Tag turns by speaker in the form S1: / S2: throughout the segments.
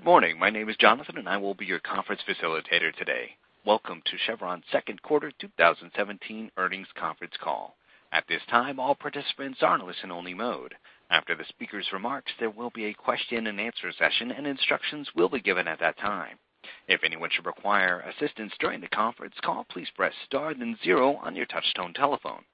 S1: Good morning. My name is Jonathan, and I will be your conference facilitator today. Welcome to Chevron's second quarter 2017 earnings conference call. At this time, all participants are in listen only mode. After the speakers' remarks, there will be a question and answer session, and instructions will be given at that time. If anyone should require assistance during the conference call, please press star then zero on your touchtone telephone.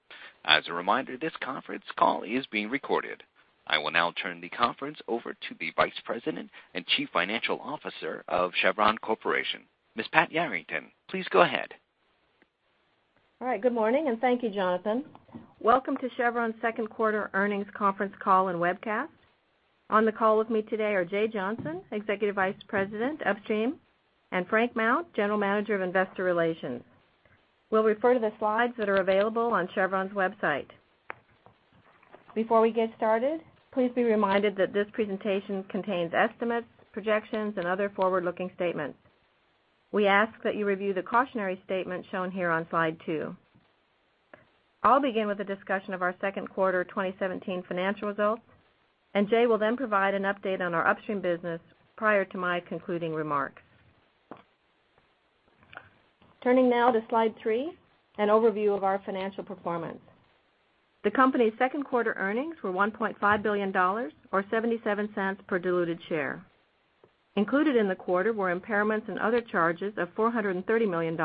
S1: As a reminder, this conference call is being recorded. I will now turn the conference over to the Vice President and Chief Financial Officer of Chevron Corporation, Miss Patricia Yarrington. Please go ahead.
S2: All right. Good morning, and thank you, Jonathan. Welcome to Chevron's second quarter earnings conference call and webcast. On the call with me today are Jay Johnson, Executive Vice President, Upstream, and Frank Mount, General Manager of Investor Relations. We'll refer to the slides that are available on Chevron's website. Before we get started, please be reminded that this presentation contains estimates, projections, and other forward-looking statements. We ask that you review the cautionary statement shown here on slide two. I'll begin with a discussion of our second quarter 2017 financial results, and Jay will then provide an update on our upstream business prior to my concluding remarks. Turning now to slide three, an overview of our financial performance. The company's second quarter earnings were $1.5 billion, or $0.77 per diluted share. Included in the quarter were impairments and other charges of $430 million,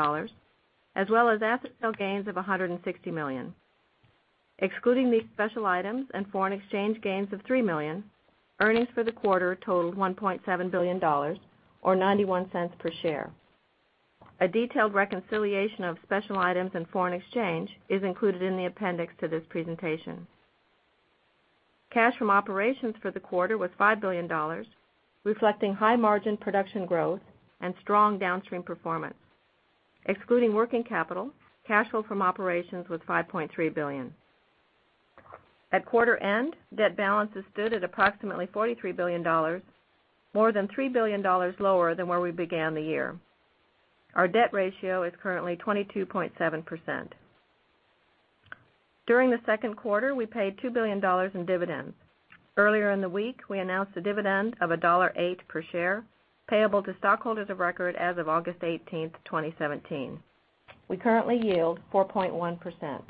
S2: as well as asset sale gains of $160 million. Excluding these special items and foreign exchange gains of $3 million, earnings for the quarter totaled $1.7 billion, or $0.91 per share. A detailed reconciliation of special items and foreign exchange is included in the appendix to this presentation. Cash from operations for the quarter was $5 billion, reflecting high margin production growth and strong downstream performance. Excluding working capital, cash flow from operations was $5.3 billion. At quarter end, debt balances stood at approximately $43 billion, more than $3 billion lower than where we began the year. Our debt ratio is currently 22.7%. During the second quarter, we paid $2 billion in dividends. Earlier in the week, we announced a dividend of $1.08 per share payable to stockholders of record as of August 18th, 2017. We currently yield 4.1%.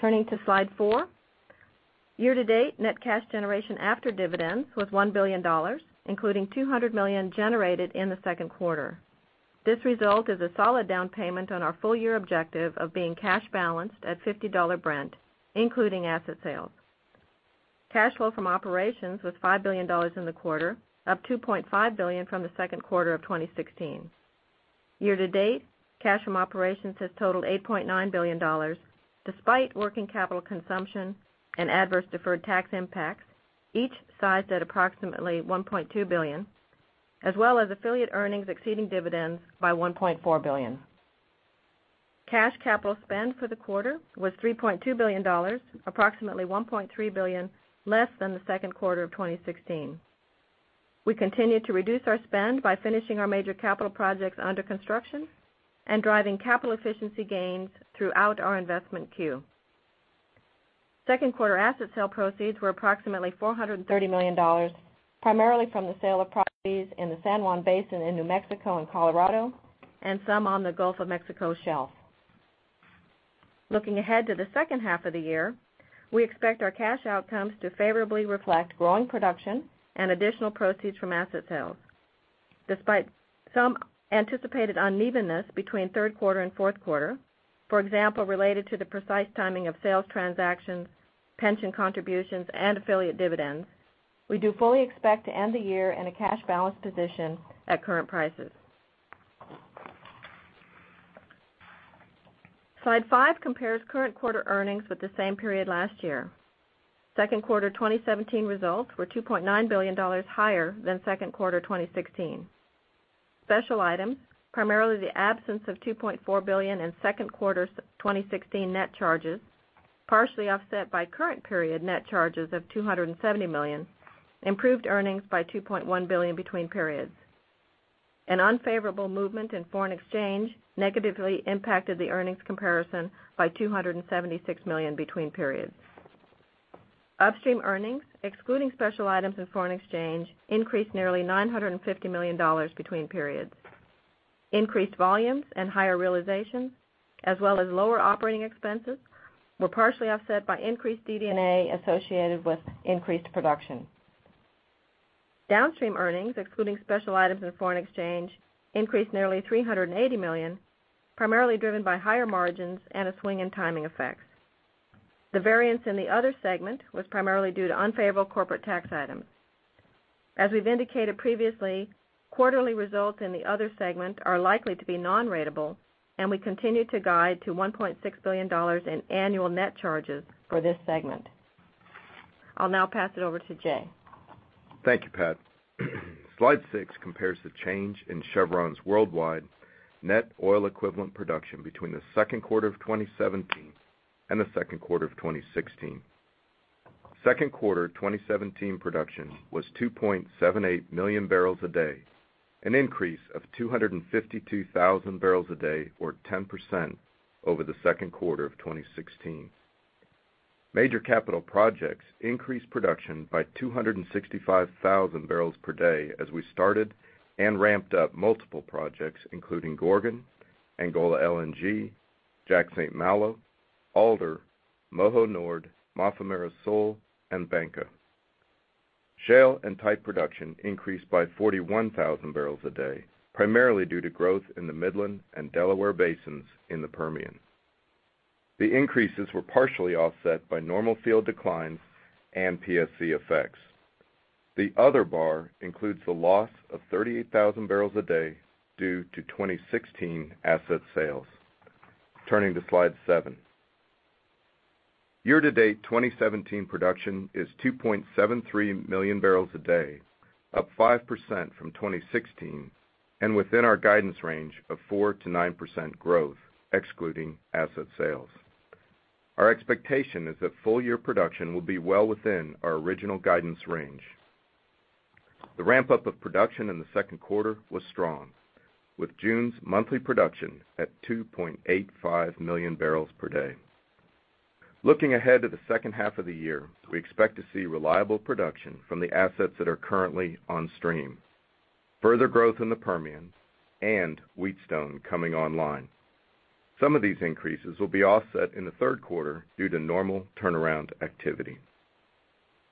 S2: Turning to slide four. Year to date, net cash generation after dividends was $1 billion, including $200 million generated in the second quarter. This result is a solid down payment on our full year objective of being cash balanced at $50 Brent, including asset sales. Cash flow from operations was $5 billion in the quarter, up $2.5 billion from the second quarter of 2016. Year to date, cash from operations has totaled $8.9 billion despite working capital consumption and adverse deferred tax impacts, each sized at approximately $1.2 billion, as well as affiliate earnings exceeding dividends by $1.4 billion. Cash capital spend for the quarter was $3.2 billion, approximately $1.3 billion less than the second quarter of 2016. We continue to reduce our spend by finishing our major capital projects under construction and driving capital efficiency gains throughout our investment queue. Second quarter asset sale proceeds were approximately $430 million, primarily from the sale of properties in the San Juan Basin in New Mexico and Colorado, and some on the Gulf of Mexico shelf. Looking ahead to the second half of the year, we expect our cash outcomes to favorably reflect growing production and additional proceeds from asset sales. Despite some anticipated unevenness between third quarter and fourth quarter, for example, related to the precise timing of sales transactions, pension contributions, and affiliate dividends, we do fully expect to end the year in a cash balance position at current prices. Slide five compares current quarter earnings with the same period last year. Second quarter 2017 results were $2.9 billion higher than second quarter 2016. Special items, primarily the absence of $2.4 billion in second quarter 2016 net charges, partially offset by current period net charges of $270 million, improved earnings by $2.1 billion between periods. An unfavorable movement in foreign exchange negatively impacted the earnings comparison by $276 million between periods. Upstream earnings, excluding special items and foreign exchange, increased nearly $950 million between periods. Increased volumes and higher realizations, as well as lower operating expenses, were partially offset by increased DD&A associated with increased production. Downstream earnings, excluding special items and foreign exchange, increased nearly $380 million, primarily driven by higher margins and a swing in timing effects. The variance in the other segment was primarily due to unfavorable corporate tax items. As we've indicated previously, quarterly results in the other segment are likely to be non-ratable, and we continue to guide to $1.6 billion in annual net charges for this segment. I'll now pass it over to Jay.
S3: Thank you, Pat. Slide six compares the change in Chevron's worldwide net oil equivalent production between the second quarter of 2017 and the second quarter of 2016. Second quarter 2017 production was 2.78 million barrels a day, an increase of 252,000 barrels a day or 10% over the second quarter of 2016. Major capital projects increased production by 265,000 barrels per day as we started and ramped up multiple projects including Gorgon, Angola LNG, Jack/St. Malo, Alder, Moho Nord, Mafumeira Sul, and Bangka. Shale and tight production increased by 41,000 barrels a day, primarily due to growth in the Midland and Delaware basins in the Permian. The increases were partially offset by normal field declines and PSC effects. The other bar includes the loss of 38,000 barrels a day due to 2016 asset sales. Turning to slide seven. Year-to-date 2017 production is 2.73 million barrels a day, up 5% from 2016, and within our guidance range of 4%-9% growth excluding asset sales. Our expectation is that full-year production will be well within our original guidance range. The ramp-up of production in the second quarter was strong, with June's monthly production at 2.85 million barrels per day. Looking ahead to the second half of the year, we expect to see reliable production from the assets that are currently on stream. Further growth in the Permian and Wheatstone coming online. Some of these increases will be offset in the third quarter due to normal turnaround activity.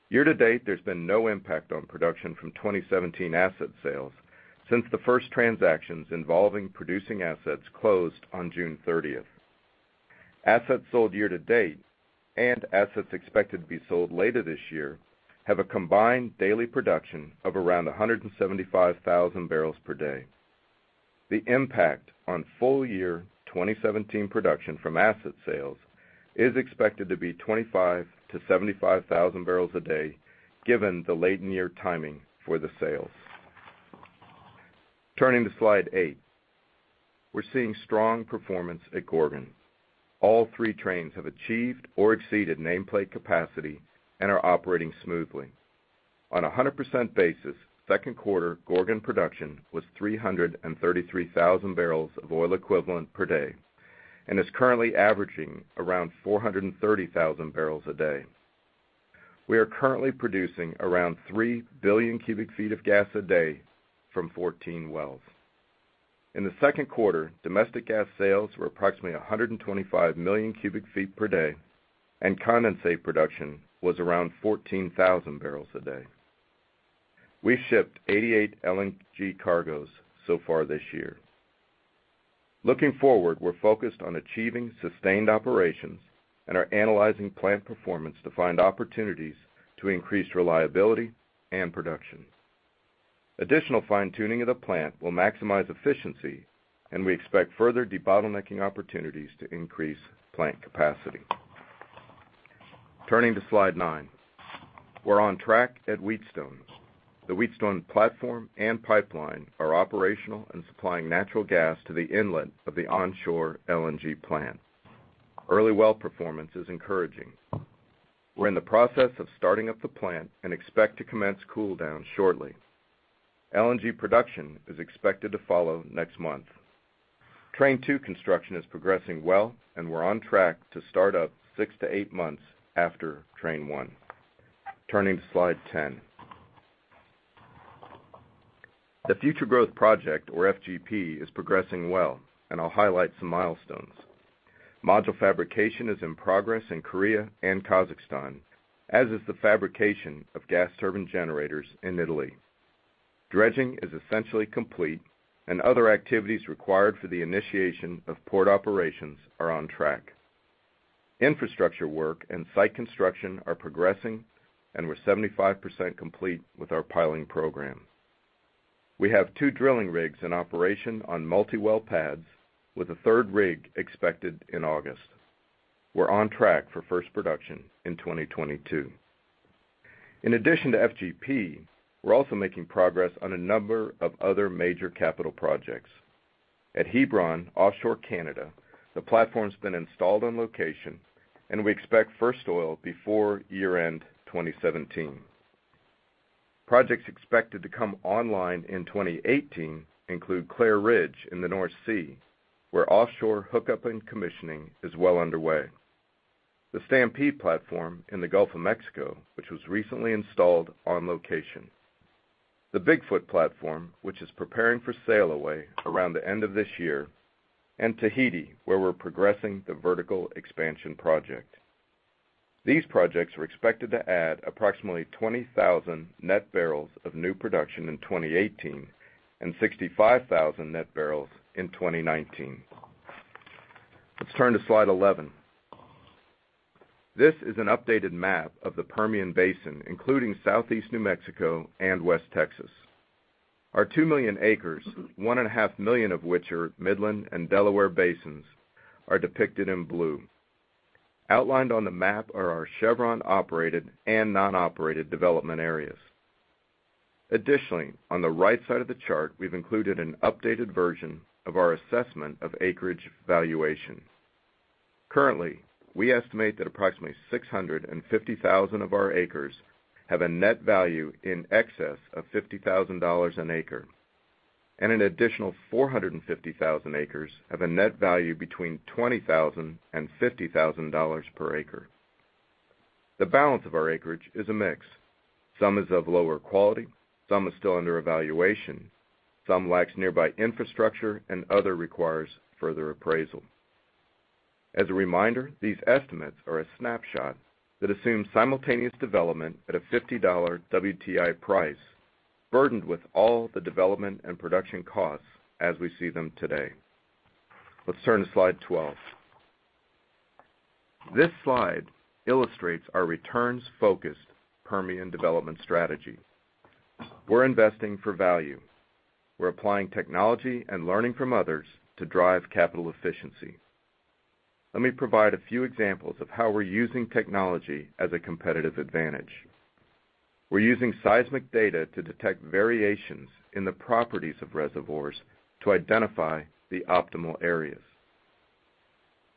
S3: Year-to-date, there's been no impact on production from 2017 asset sales since the first transactions involving producing assets closed on June 30th. Assets sold year-to-date and assets expected to be sold later this year have a combined daily production of around 175,000 barrels per day. The impact on full-year 2017 production from asset sales is expected to be 25,000-75,000 barrels a day given the late-in-year timing for the sales. Turning to slide eight. We're seeing strong performance at Gorgon. All three trains have achieved or exceeded nameplate capacity and are operating smoothly. On a 100% basis, second quarter Gorgon production was 333,000 barrels of oil equivalent per day and is currently averaging around 430,000 barrels a day. We are currently producing around three billion cubic feet of gas a day from 14 wells. In the second quarter, domestic gas sales were approximately 125 million cubic feet per day, and condensate production was around 14,000 barrels a day. We shipped 88 LNG cargoes so far this year. Looking forward, we're focused on achieving sustained operations and are analyzing plant performance to find opportunities to increase reliability and production. Additional fine-tuning of the plant will maximize efficiency, and we expect further debottlenecking opportunities to increase plant capacity. Turning to slide nine. We're on track at Wheatstone. The Wheatstone platform and pipeline are operational and supplying natural gas to the inlet of the onshore LNG plant. Early well performance is encouraging. We're in the process of starting up the plant and expect to commence cool-down shortly. LNG production is expected to follow next month. Train two construction is progressing well, and we're on track to start up six to eight months after train one. Turning to slide 10. The Future Growth Project, or FGP, is progressing well, and I'll highlight some milestones. Module fabrication is in progress in Korea and Kazakhstan, as is the fabrication of gas turbine generators in Italy. Dredging is essentially complete, and other activities required for the initiation of port operations are on track. Infrastructure work and site construction are progressing, and we're 75% complete with our piling program. We have two drilling rigs in operation on multi-well pads with a third rig expected in August. We're on track for first production in 2022. In addition to FGP, we're also making progress on a number of other major capital projects. At Hebron, offshore Canada, the platform's been installed on location, and we expect first oil before year-end 2017. Projects expected to come online in 2018 include Clair Ridge in the North Sea, where offshore hookup and commissioning is well underway. The Stampede platform in the Gulf of Mexico, which was recently installed on location, the Bigfoot platform, which is preparing for sail away around the end of this year, and Tahiti, where we're progressing the vertical expansion project. These projects are expected to add approximately 20,000 net barrels of new production in 2018 and 65,000 net barrels in 2019. Let's turn to slide 11. This is an updated map of the Permian Basin, including Southeast New Mexico and West Texas. Our two million acres, one and a half million of which are Midland and Delaware Basins, are depicted in blue. Outlined on the map are our Chevron-operated and non-operated development areas. Additionally, on the right side of the chart, we've included an updated version of our assessment of acreage valuation. Currently, we estimate that approximately 650,000 of our acres have a net value in excess of $50,000 an acre. An additional 450,000 acres have a net value between $20,000 and $50,000 per acre. The balance of our acreage is a mix. Some is of lower quality, some is still under evaluation, some lacks nearby infrastructure, and other requires further appraisal. As a reminder, these estimates are a snapshot that assumes simultaneous development at a $50 WTI price, burdened with all the development and production costs as we see them today. Let's turn to slide 12. This slide illustrates our returns-focused Permian development strategy. We're investing for value. We're applying technology and learning from others to drive capital efficiency. Let me provide a few examples of how we're using technology as a competitive advantage. We're using seismic data to detect variations in the properties of reservoirs to identify the optimal areas.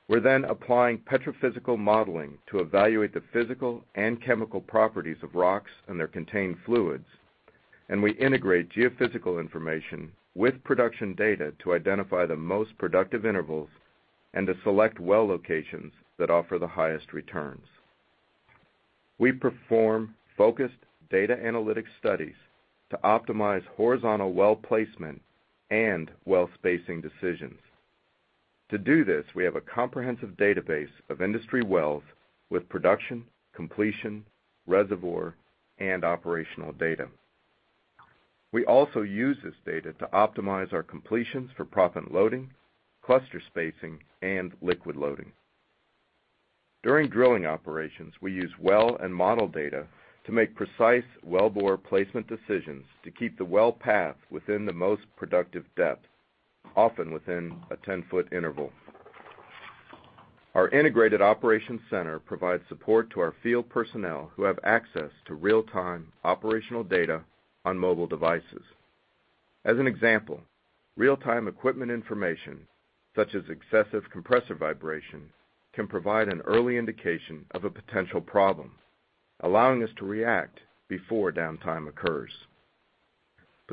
S3: We're then applying petrophysical modeling to evaluate the physical and chemical properties of rocks and their contained fluids, we integrate geophysical information with production data to identify the most productive intervals and to select well locations that offer the highest returns. We perform focused data analytic studies to optimize horizontal well placement and well spacing decisions. To do this, we have a comprehensive database of industry wells with production, completion, reservoir, and operational data. We also use this data to optimize our completions for proppant loading, cluster spacing, and liquid loading. During drilling operations, we use well and model data to make precise well bore placement decisions to keep the well path within the most productive depth, often within a 10-foot interval. Our integrated operation center provides support to our field personnel, who have access to real-time operational data on mobile devices. As an example, real-time equipment information, such as excessive compressor vibration, can provide an early indication of a potential problem, allowing us to react before downtime occurs.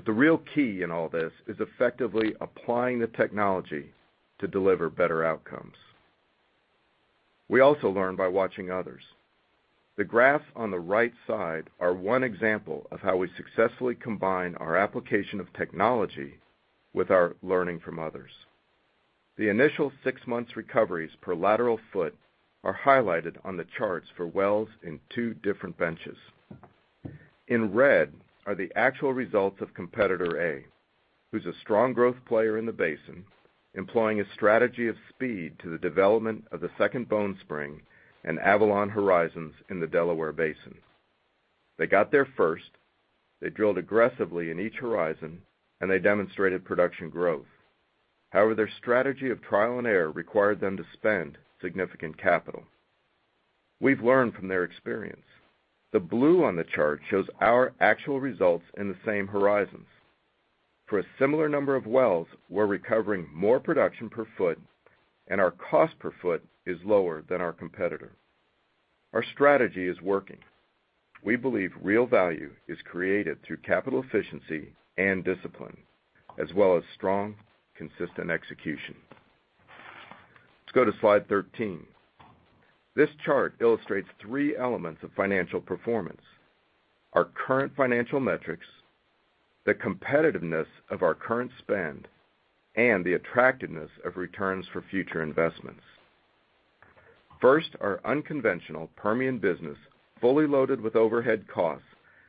S3: The real key in all this is effectively applying the technology to deliver better outcomes. We also learn by watching others. The graphs on the right side are one example of how we successfully combine our application of technology with our learning from others. The initial six months recoveries per lateral foot are highlighted on the charts for wells in two different benches. In red are the actual results of competitor A, who's a strong growth player in the basin, employing a strategy of speed to the development of the Second Bone Spring and Avalon horizons in the Delaware Basin. They got there first, they drilled aggressively in each horizon, and they demonstrated production growth. However, their strategy of trial and error required them to spend significant capital. We've learned from their experience. The blue on the chart shows our actual results in the same horizons. For a similar number of wells, we're recovering more production per foot, and our cost per foot is lower than our competitor. Our strategy is working. We believe real value is created through capital efficiency and discipline, as well as strong, consistent execution. Let's go to slide 13. This chart illustrates three elements of financial performance: our current financial metrics, the competitiveness of our current spend, and the attractiveness of returns for future investments. First, our unconventional Permian business, fully loaded with overhead costs,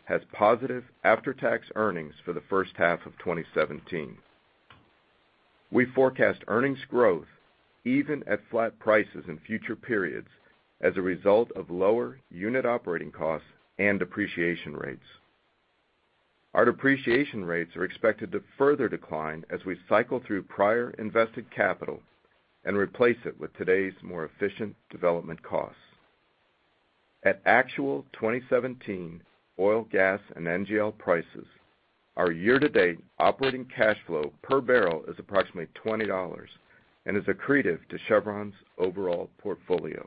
S3: has positive after-tax earnings for the first half of 2017. We forecast earnings growth even at flat prices in future periods as a result of lower unit operating costs and depreciation rates. Our depreciation rates are expected to further decline as we cycle through prior invested capital and replace it with today's more efficient development costs. At actual 2017 oil, gas, and NGL prices, our year-to-date operating cash flow per barrel is approximately $20 and is accretive to Chevron's overall portfolio.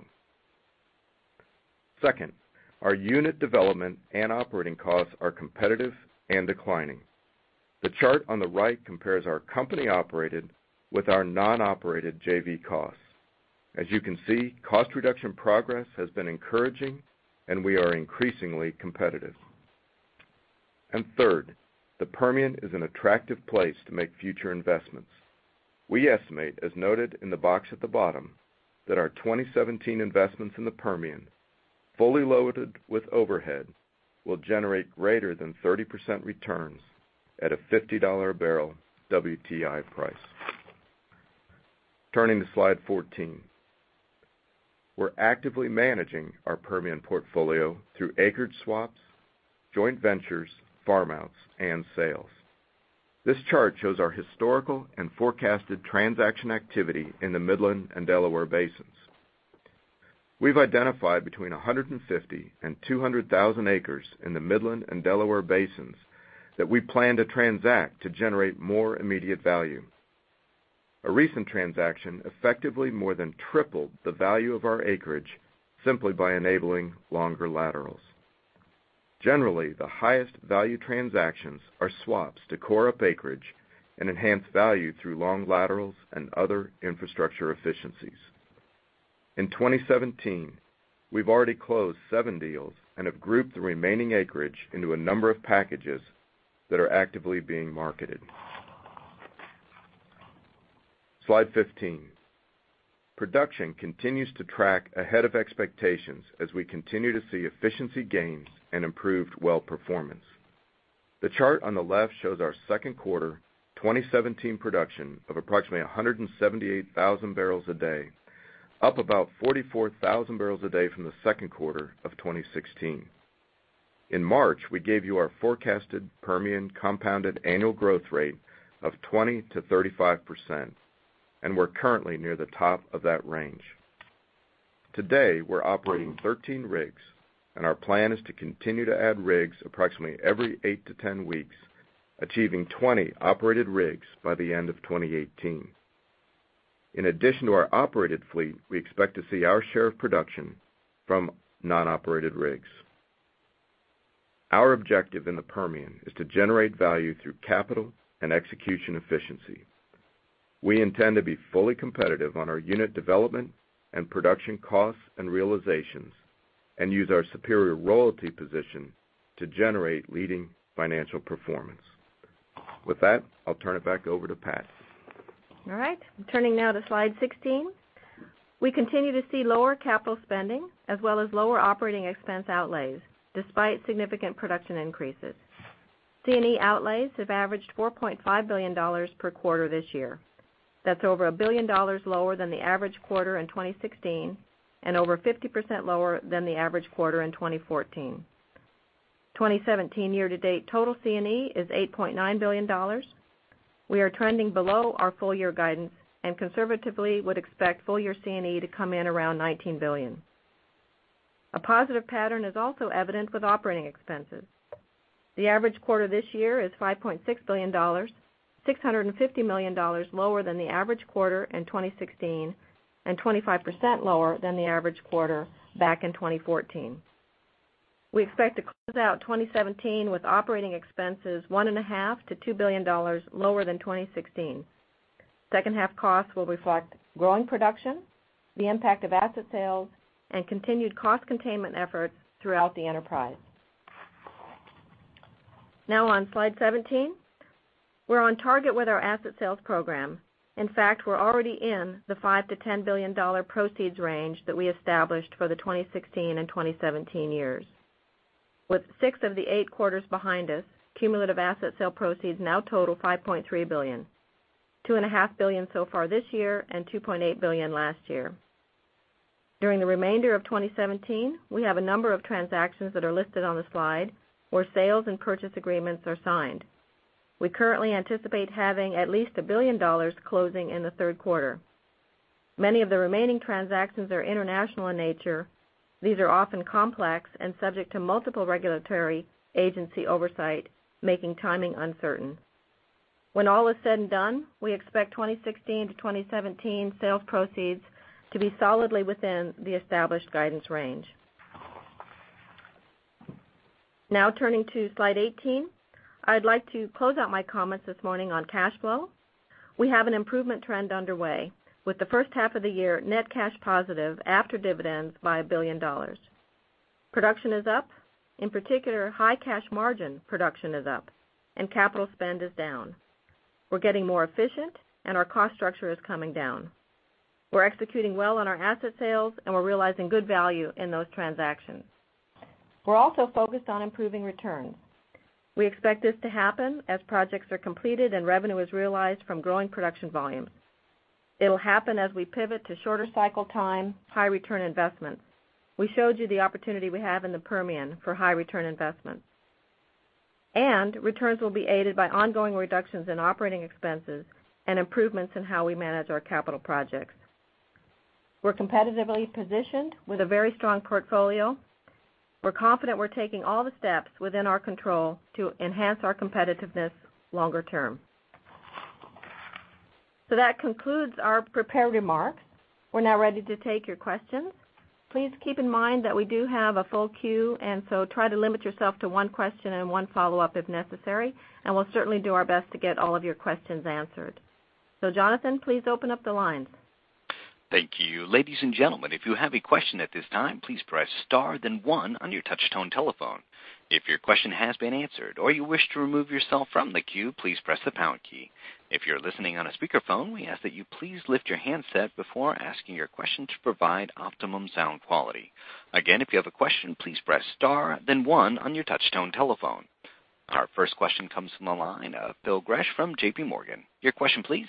S3: Second, our unit development and operating costs are competitive and declining. The chart on the right compares our company-operated with our non-operated JV costs. As you can see, cost reduction progress has been encouraging, we are increasingly competitive. Third, the Permian is an attractive place to make future investments. We estimate, as noted in the box at the bottom, that our 2017 investments in the Permian, fully loaded with overhead, will generate greater than 30% returns at a $50 a barrel WTI price. Turning to slide 14. We're actively managing our Permian portfolio through acreage swaps, joint ventures, farm-outs, and sales. This chart shows our historical and forecasted transaction activity in the Midland and Delaware Basins. We've identified between 150,000 and 200,000 acres in the Midland and Delaware Basins that we plan to transact to generate more immediate value. A recent transaction effectively more than tripled the value of our acreage simply by enabling longer laterals. Generally, the highest value transactions are swaps to core up acreage and enhance value through long laterals and other infrastructure efficiencies. In 2017, we've already closed seven deals and have grouped the remaining acreage into a number of packages that are actively being marketed. Slide 15. Production continues to track ahead of expectations as we continue to see efficiency gains and improved well performance. The chart on the left shows our second quarter 2017 production of approximately 178,000 barrels a day, up about 44,000 barrels a day from the second quarter of 2016. In March, we gave you our forecasted Permian compounded annual growth rate of 20%-35%, we're currently near the top of that range. Today, we're operating 13 rigs, our plan is to continue to add rigs approximately every eight to 10 weeks, achieving 20 operated rigs by the end of 2018. In addition to our operated fleet, we expect to see our share of production from non-operated rigs. Our objective in the Permian is to generate value through capital and execution efficiency. We intend to be fully competitive on our unit development and production costs and realizations use our superior royalty position to generate leading financial performance. With that, I'll turn it back over to Pat.
S2: All right. I am turning now to slide 16. We continue to see lower capital spending as well as lower operating expense outlays despite significant production increases. C&E outlays have averaged $4.5 billion per quarter this year. That is over $1 billion lower than the average quarter in 2016 and over 50% lower than the average quarter in 2014. 2017 year to date total C&E is $8.9 billion. We are trending below our full year guidance and conservatively would expect full year C&E to come in around $19 billion. A positive pattern is also evident with operating expenses. The average quarter this year is $5.6 billion, $650 million lower than the average quarter in 2016 and 25% lower than the average quarter back in 2014. We expect to close out 2017 with operating expenses one and a half to two billion dollars lower than 2016. Second half costs will reflect growing production, the impact of asset sales and continued cost containment efforts throughout the enterprise. Now on slide 17. We are on target with our asset sales program. In fact, we are already in the $5 billion-$10 billion proceeds range that we established for the 2016 and 2017 years. With six of the eight quarters behind us, cumulative asset sale proceeds now total $5.3 billion. Two and a half billion so far this year and $2.8 billion last year. During the remainder of 2017, we have a number of transactions that are listed on the slide where sales and purchase agreements are signed. We currently anticipate having at least $1 billion closing in the third quarter. Many of the remaining transactions are international in nature. These are often complex and subject to multiple regulatory agency oversight, making timing uncertain. When all is said and done, we expect 2016 to 2017 sales proceeds to be solidly within the established guidance range. Now turning to slide 18. I would like to close out my comments this morning on cash flow. We have an improvement trend underway with the first half of the year net cash positive after dividends by $1 billion. Production is up. In particular, high cash margin production is up and capital spend is down. We are getting more efficient and our cost structure is coming down. We are executing well on our asset sales and we are realizing good value in those transactions. We are also focused on improving returns. We expect this to happen as projects are completed and revenue is realized from growing production volumes. It will happen as we pivot to shorter cycle time, high return investments. We showed you the opportunity we have in the Permian for high return investments. Returns will be aided by ongoing reductions in operating expenses and improvements in how we manage our capital projects. We are competitively positioned with a very strong portfolio. We are confident we are taking all the steps within our control to enhance our competitiveness longer term. That concludes our prepared remarks. We are now ready to take your questions. Please keep in mind that we do have a full queue, try to limit yourself to one question and one follow-up if necessary, and we will certainly do our best to get all of your questions answered. Jonathan, please open up the lines.
S1: Thank you. Ladies and gentlemen, if you have a question at this time, please press star then one on your touchtone telephone. If your question has been answered or you wish to remove yourself from the queue, please press the pound key. If you're listening on a speakerphone, we ask that you please lift your handset before asking your question to provide optimum sound quality. Again, if you have a question, please press star then one on your touchtone telephone. Our first question comes from the line of Phil Gresh from J.P. Morgan. Your question please.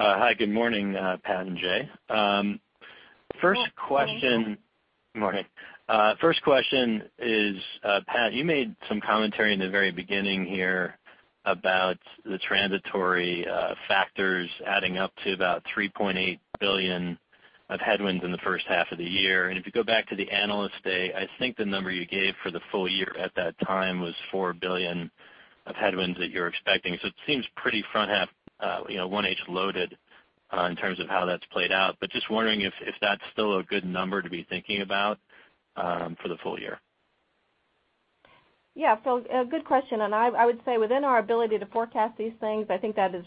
S4: Hi, good morning, Pat and Jay.
S2: Morning.
S4: Morning. First question is, Pat, you made some commentary in the very beginning here about the transitory factors adding up to about $3.8 billion of headwinds in the first half of the year. If you go back to the Analyst Day, I think the number you gave for the full year at that time was $4 billion of headwinds that you're expecting. It seems pretty front half 1H-loaded In terms of how that's played out. Just wondering if that's still a good number to be thinking about for the full year.
S2: A good question, I would say within our ability to forecast these things, I think that is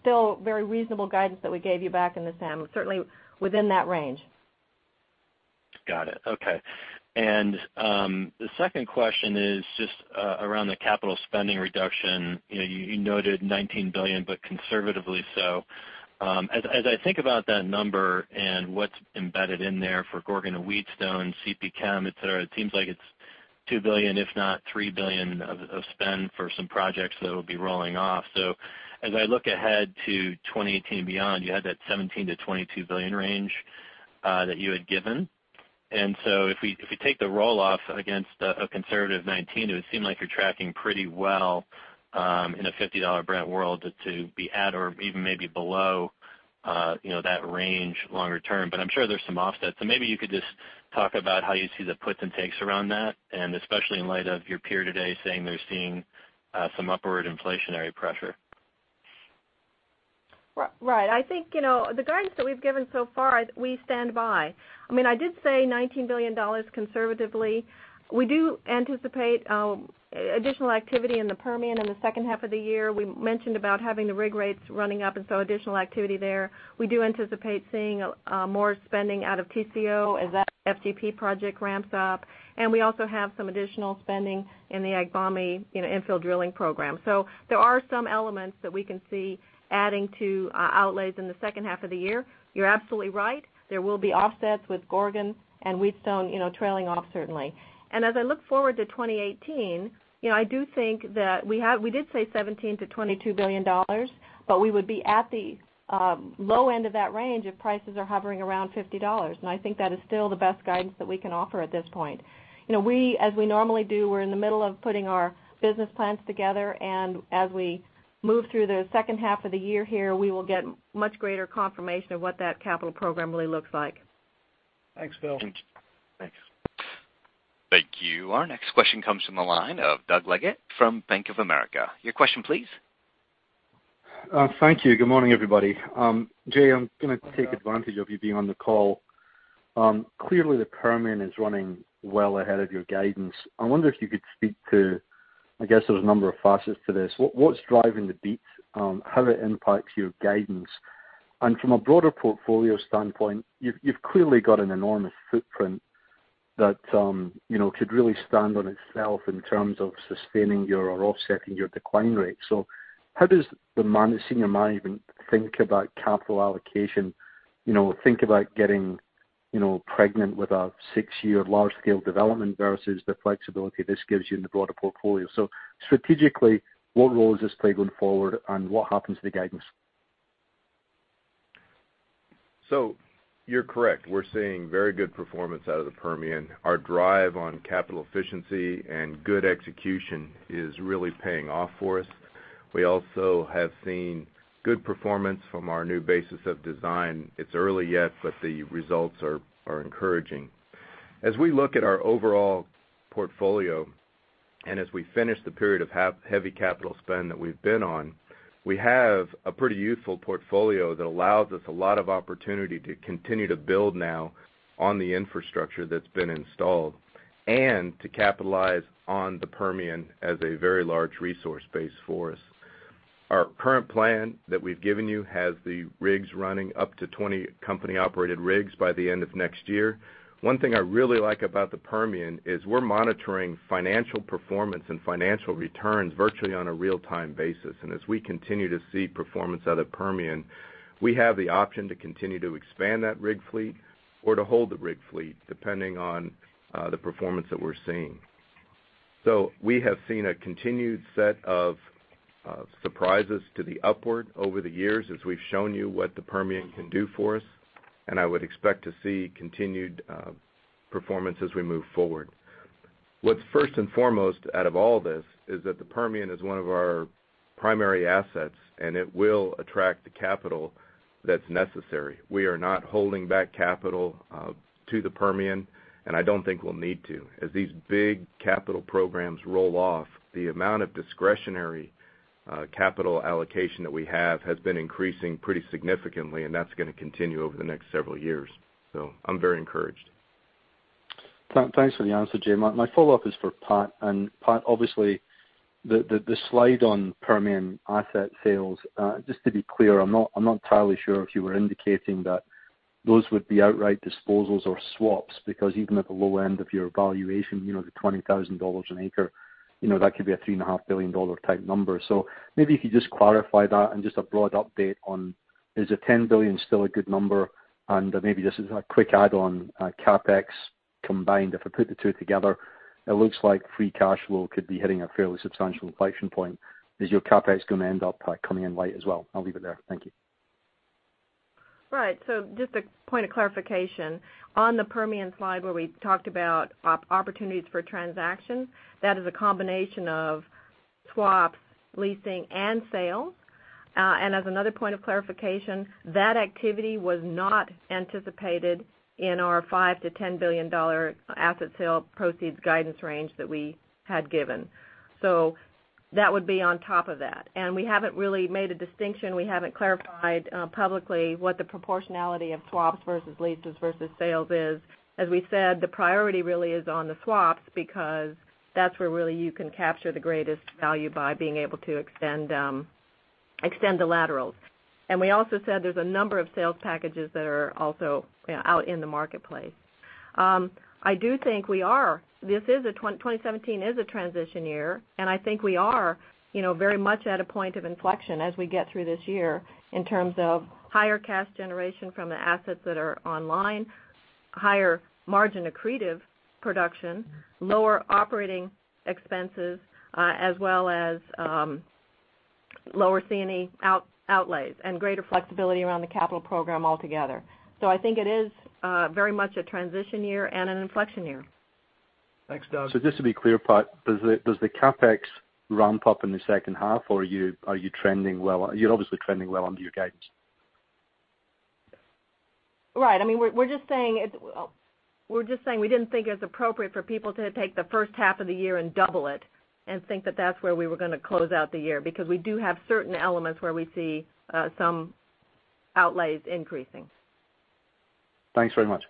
S2: still very reasonable guidance that we gave you back in the SAM, certainly within that range.
S4: Got it. Okay. The second question is just around the capital spending reduction. You noted $19 billion, but conservatively so. As I think about that number and what's embedded in there for Gorgon and Wheatstone, CPChem, et cetera, it seems like it's $2 billion if not $3 billion of spend for some projects that will be rolling off. As I look ahead to 2018 beyond, you had that $17 billion-$22 billion range that you had given. If we take the roll-off against a conservative 19, it would seem like you're tracking pretty well in a $50 Brent world to be at or even maybe below that range longer term. I'm sure there's some offsets. Maybe you could just talk about how you see the puts and takes around that, especially in light of your peer today saying they're seeing some upward inflationary pressure.
S2: Right. I think the guidance that we've given so far, we stand by. I did say $19 billion conservatively. We do anticipate additional activity in the Permian in the second half of the year. We mentioned about having the rig rates running up, additional activity there. We do anticipate seeing more spending out of Tengizchevroil as that FGP project ramps up. We also have some additional spending in the Agbami infill drilling program. There are some elements that we can see adding to our outlays in the second half of the year. You're absolutely right. There will be offsets with Gorgon and Wheatstone trailing off certainly. As I look forward to 2018, I do think that we did say $17 billion-$22 billion, we would be at the low end of that range if prices are hovering around $50. I think that is still the best guidance that we can offer at this point. As we normally do, we're in the middle of putting our business plans together, as we move through the second half of the year here, we will get much greater confirmation of what that capital program really looks like.
S4: Thanks, Pat.
S2: Thanks.
S1: Thank you. Our next question comes from the line of Doug Leggate from Bank of America. Your question, please.
S5: Thank you. Good morning, everybody. Jay, I'm going to take advantage of you being on the call. Clearly the Permian is running well ahead of your guidance. I wonder if you could speak to, I guess there's a number of facets to this. What's driving the beats? How it impacts your guidance. From a broader portfolio standpoint, you've clearly got an enormous footprint that could really stand on itself in terms of sustaining or offsetting your decline rate. How does the senior management think about capital allocation? Think about getting pregnant with a six-year large scale development versus the flexibility this gives you in the broader portfolio. Strategically, what role does this play going forward and what happens to the guidance?
S3: You're correct. We're seeing very good performance out of the Permian. Our drive on capital efficiency and good execution is really paying off for us. We also have seen good performance from our new basis of design. It's early yet, but the results are encouraging. As we look at our overall portfolio, and as we finish the period of heavy capital spend that we've been on, we have a pretty youthful portfolio that allows us a lot of opportunity to continue to build now on the infrastructure that's been installed and to capitalize on the Permian as a very large resource base for us. Our current plan that we've given you has the rigs running up to 20 company-operated rigs by the end of next year. One thing I really like about the Permian is we're monitoring financial performance and financial returns virtually on a real-time basis. As we continue to see performance out of the Permian, we have the option to continue to expand that rig fleet or to hold the rig fleet, depending on the performance that we're seeing. We have seen a continued set of surprises to the upward over the years as we've shown you what the Permian can do for us, and I would expect to see continued performance as we move forward. What's first and foremost out of all this is that the Permian is one of our primary assets, and it will attract the capital that's necessary. We are not holding back capital to the Permian, and I don't think we'll need to. As these big capital programs roll off, the amount of discretionary capital allocation that we have has been increasing pretty significantly, and that's going to continue over the next several years. I'm very encouraged.
S5: Thanks for the answer, Jay. My follow-up is for Pat. Pat, obviously the slide on Permian asset sales, just to be clear, I'm not entirely sure if you were indicating that those would be outright disposals or swaps, because even at the low end of your valuation, the $20,000 an acre, that could be a $3.5 billion type number. Maybe if you could just clarify that and just a broad update on, is a $10 billion still a good number? Maybe just as a quick add on CapEx combined. If I put the two together, it looks like free cash flow could be hitting a fairly substantial inflection point. Is your CapEx going to end up coming in light as well? I'll leave it there. Thank you.
S2: Right. Just a point of clarification. On the Permian slide where we talked about opportunities for transactions, that is a combination of swaps, leasing, and sales. As another point of clarification, that activity was not anticipated in our $5 billion-$10 billion asset sale proceeds guidance range that we had given. That would be on top of that. We haven't really made a distinction. We haven't clarified publicly what the proportionality of swaps versus leases versus sales is. As we said, the priority really is on the swaps because that's where really you can capture the greatest value by being able to extend the laterals. We also said there's a number of sales packages that are also out in the marketplace. I do think 2017 is a transition year, and I think we are very much at a point of inflection as we get through this year in terms of higher cash generation from the assets that are online, higher margin accretive production, lower operating expenses, as well as lower C&E outlays, and greater flexibility around the capital program altogether. I think it is very much a transition year and an inflection year.
S3: Thanks, Doug.
S5: Just to be clear, Pat, does the CapEx ramp up in the second half, or are you trending well? You're obviously trending well under your guidance.
S2: Right. We're just saying we didn't think it was appropriate for people to take the first half of the year and double it and think that that's where we were going to close out the year, because we do have certain elements where we see some outlays increasing.
S5: Thanks very much.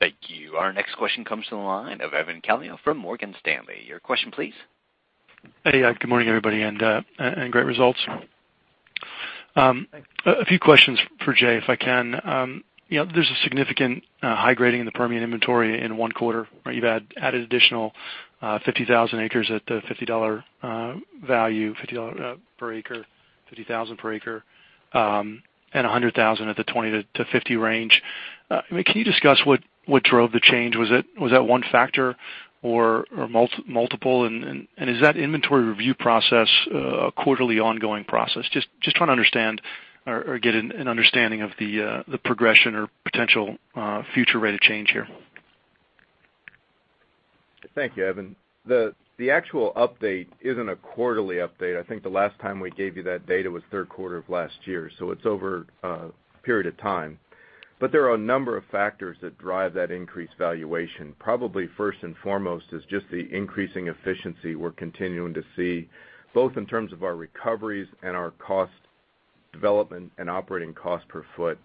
S1: Thank you. Our next question comes from the line of Evan Calio from Morgan Stanley. Your question, please.
S6: Hey. Good morning, everybody, great results.
S3: Thanks.
S6: A few questions for Jay, if I can. There's a significant high grading in the Permian inventory in one quarter, where you've added additional 50,000 acres at the $50 value per acre, 50,000 per acre, and 100,000 at the $20-$50 range. Can you discuss what drove the change? Was that one factor or multiple? Is that inventory review process a quarterly ongoing process? Just trying to understand or get an understanding of the progression or potential future rate of change here.
S3: Thank you, Evan. The actual update isn't a quarterly update. I think the last time we gave you that data was third quarter of last year, it's over a period of time. There are a number of factors that drive that increased valuation. Probably first and foremost is just the increasing efficiency we're continuing to see, both in terms of our recoveries and our cost development and operating cost per foot.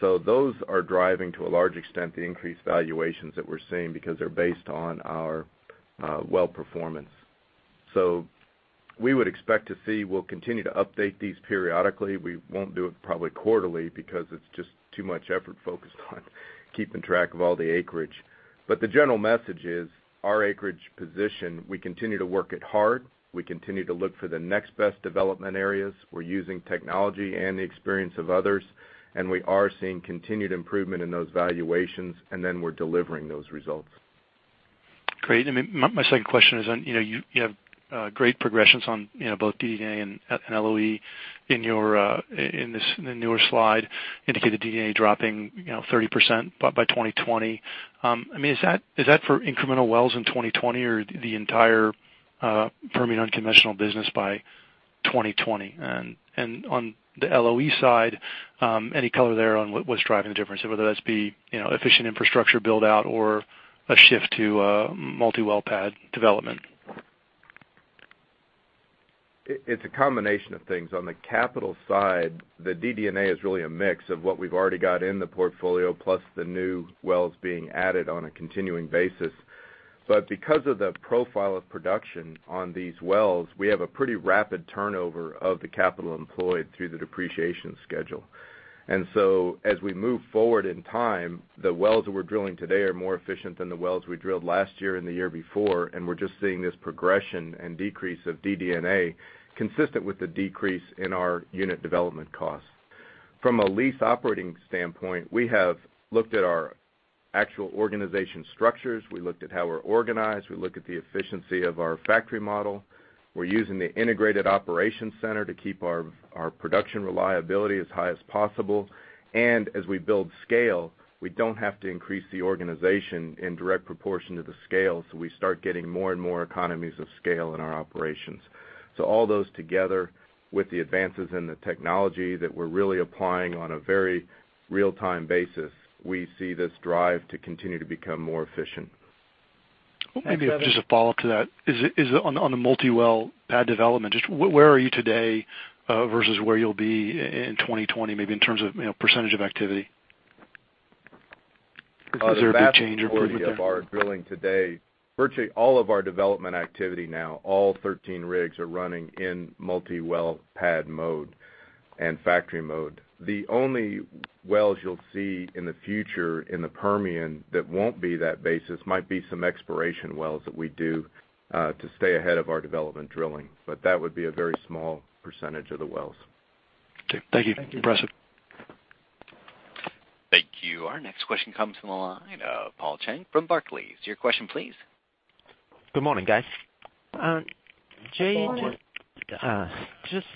S3: Those are driving, to a large extent, the increased valuations that we're seeing because they're based on our well performance. We would expect to see, we'll continue to update these periodically. We won't do it probably quarterly because it's just too much effort focused on keeping track of all the acreage. The general message is our acreage position, we continue to work it hard. We continue to look for the next best development areas. We're using technology and the experience of others, we are seeing continued improvement in those valuations, we're delivering those results.
S6: Great. My second question is on, you have great progressions on both DD&A and LOE in the newer slide indicate the DD&A dropping 30% by 2020. Is that for incremental wells in 2020 or the entire Permian unconventional business by 2020? On the LOE side, any color there on what's driving the difference, whether that's be efficient infrastructure build-out or a shift to multi-well pad development?
S3: It's a combination of things. On the capital side, the DD&A is really a mix of what we've already got in the portfolio plus the new wells being added on a continuing basis. Because of the profile of production on these wells, we have a pretty rapid turnover of the capital employed through the depreciation schedule. As we move forward in time, the wells that we're drilling today are more efficient than the wells we drilled last year and the year before, we're just seeing this progression and decrease of DD&A consistent with the decrease in our unit development cost. From a lease operating standpoint, we have looked at our actual organization structures. We looked at how we're organized. We looked at the efficiency of our factory model. We're using the integrated operations center to keep our production reliability as high as possible. As we build scale, we don't have to increase the organization in direct proportion to the scale, we start getting more and more economies of scale in our operations. All those together with the advances in the technology that we're really applying on a very real-time basis, we see this drive to continue to become more efficient.
S6: Maybe just a follow-up to that. On the multi-well pad development, just where are you today versus where you'll be in 2020, maybe in terms of percentage of activity? Is there a big change or pivot there?
S3: The vast majority of our drilling today, virtually all of our development activity now, all 13 rigs are running in multi-well pad mode and factory mode. The only wells you'll see in the future in the Permian that won't be that basis might be some exploration wells that we do to stay ahead of our development drilling. That would be a very small percentage of the wells.
S6: Okay. Thank you. Impressive.
S1: Thank you. Our next question comes from the line of Paul Cheng from Barclays. Your question, please.
S7: Good morning, guys.
S2: Good morning.
S7: Jay, just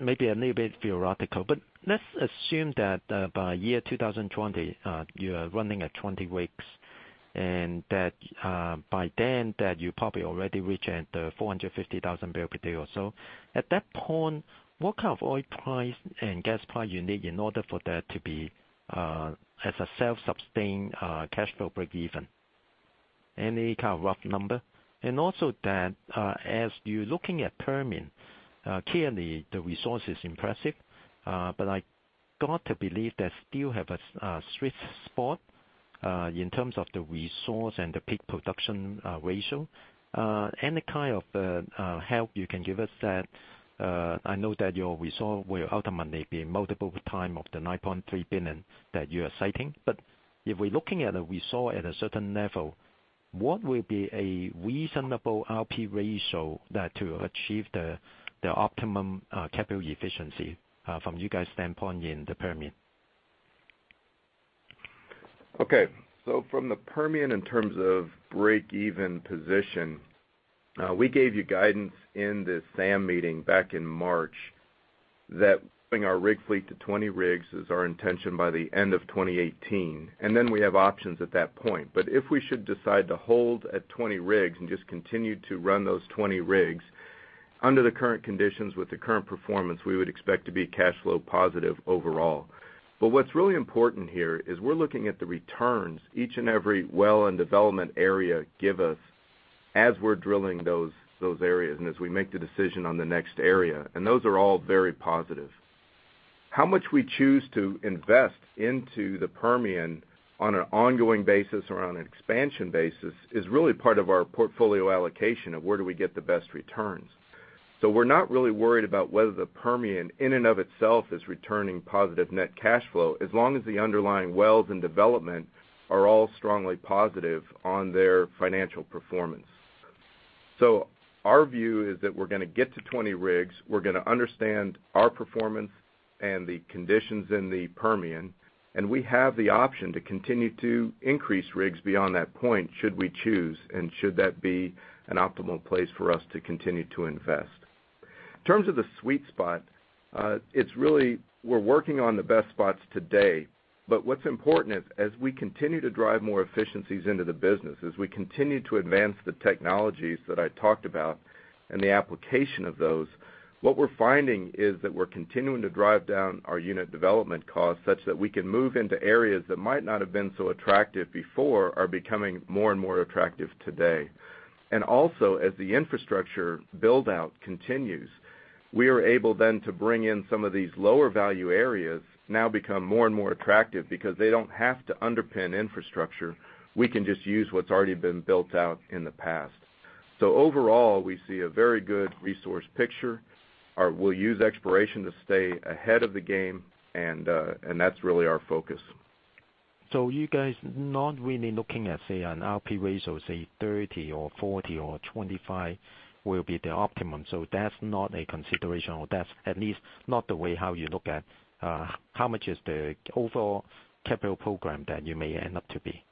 S7: maybe a little bit theoretical, but let's assume that by year 2020, you're running at 20 rigs and that by then that you probably already reach at 450,000 barrel per day or so. At that point, what kind of oil price and gas price you need in order for that to be as a self-sustained cash flow breakeven? Any kind of rough number? Also that as you're looking at Permian, clearly the resource is impressive, but I got to believe that still have a sweet spot in terms of the resource and the peak production ratio. Any kind of help you can give us? I know that your result will ultimately be multiple time of the $9.3 billion that you are citing. If we're looking at a result at a certain level, what will be a reasonable RP ratio that to achieve the optimum capital efficiency from you guys' standpoint in the Permian?
S3: Okay. From the Permian in terms of break-even position, we gave you guidance in the SAM meeting back in March that bring our rig fleet to 20 rigs is our intention by the end of 2018. Then we have options at that point. If we should decide to hold at 20 rigs and just continue to run those 20 rigs, under the current conditions with the current performance, we would expect to be cash flow positive overall. What's really important here is we're looking at the returns each and every well and development area give us as we're drilling those areas and as we make the decision on the next area. Those are all very positive. How much we choose to invest into the Permian on an ongoing basis or on an expansion basis is really part of our portfolio allocation of where do we get the best returns. We're not really worried about whether the Permian, in and of itself, is returning positive net cash flow as long as the underlying wells and development are all strongly positive on their financial performance. Our view is that we're going to get to 20 rigs. We're going to understand our performance and the conditions in the Permian, and we have the option to continue to increase rigs beyond that point should we choose and should that be an optimal place for us to continue to invest. In terms of the sweet spot, we're working on the best spots today. What's important is, as we continue to drive more efficiencies into the business, as we continue to advance the technologies that I talked about and the application of those, what we're finding is that we're continuing to drive down our unit development costs such that we can move into areas that might not have been so attractive before are becoming more and more attractive today. Also as the infrastructure build-out continues, we are able then to bring in some of these lower value areas now become more and more attractive because they don't have to underpin infrastructure. We can just use what's already been built out in the past. Overall, we see a very good resource picture. We'll use exploration to stay ahead of the game, and that's really our focus.
S7: You guys not really looking at, say, an RP ratio of, say, 30 or 40 or 25 will be the optimum. That's not a consideration, or that's at least not the way how you look at how much is the overall capital program that you may end up to be.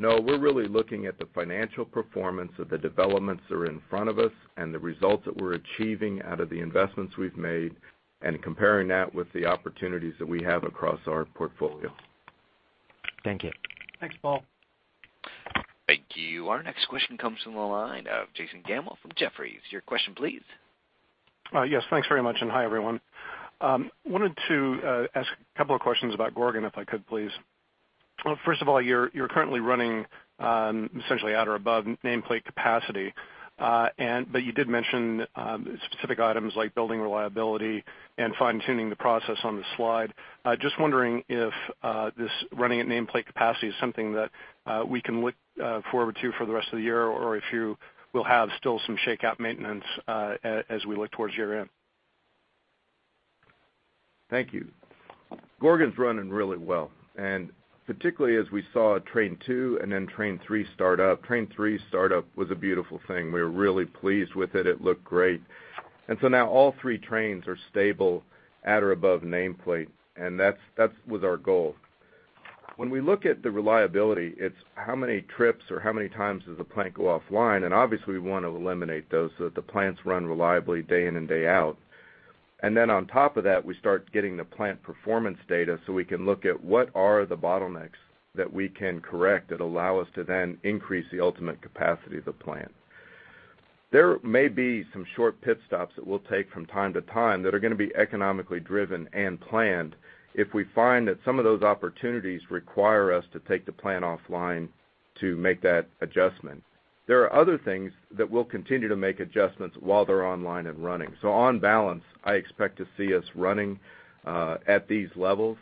S3: No, we're really looking at the financial performance of the developments that are in front of us and the results that we're achieving out of the investments we've made and comparing that with the opportunities that we have across our portfolio.
S8: Thank you. Thanks, Paul.
S1: Thank you. Our next question comes from the line of Jason Gammel from Jefferies. Your question, please.
S9: Yes, thanks very much. Hi, everyone. I wanted to ask a couple of questions about Gorgon if I could, please. First of all, you're currently running essentially at or above nameplate capacity, but you did mention specific items like building reliability and fine-tuning the process on the slide. I was just wondering if this running at nameplate capacity is something that we can look forward to for the rest of the year, or if you will have still some shake-out maintenance as we look towards year-end.
S3: Thank you. Gorgon's running really well, and particularly as we saw train 2 and then train 3 start up. Train 3 start up was a beautiful thing. We were really pleased with it. It looked great. Now all 3 trains are stable at or above nameplate. That was our goal. When we look at the reliability, it's how many trips or how many times does the plant go offline, and obviously we want to eliminate those so that the plants run reliably day in and day out. Then on top of that, we start getting the plant performance data so we can look at what are the bottlenecks that we can correct that allow us to then increase the ultimate capacity of the plant. There may be some short pit stops that we'll take from time to time that are going to be economically driven and planned if we find that some of those opportunities require us to take the plant offline to make that adjustment. There are other things that we'll continue to make adjustments while they're online and running. On balance, I expect to see us running at these levels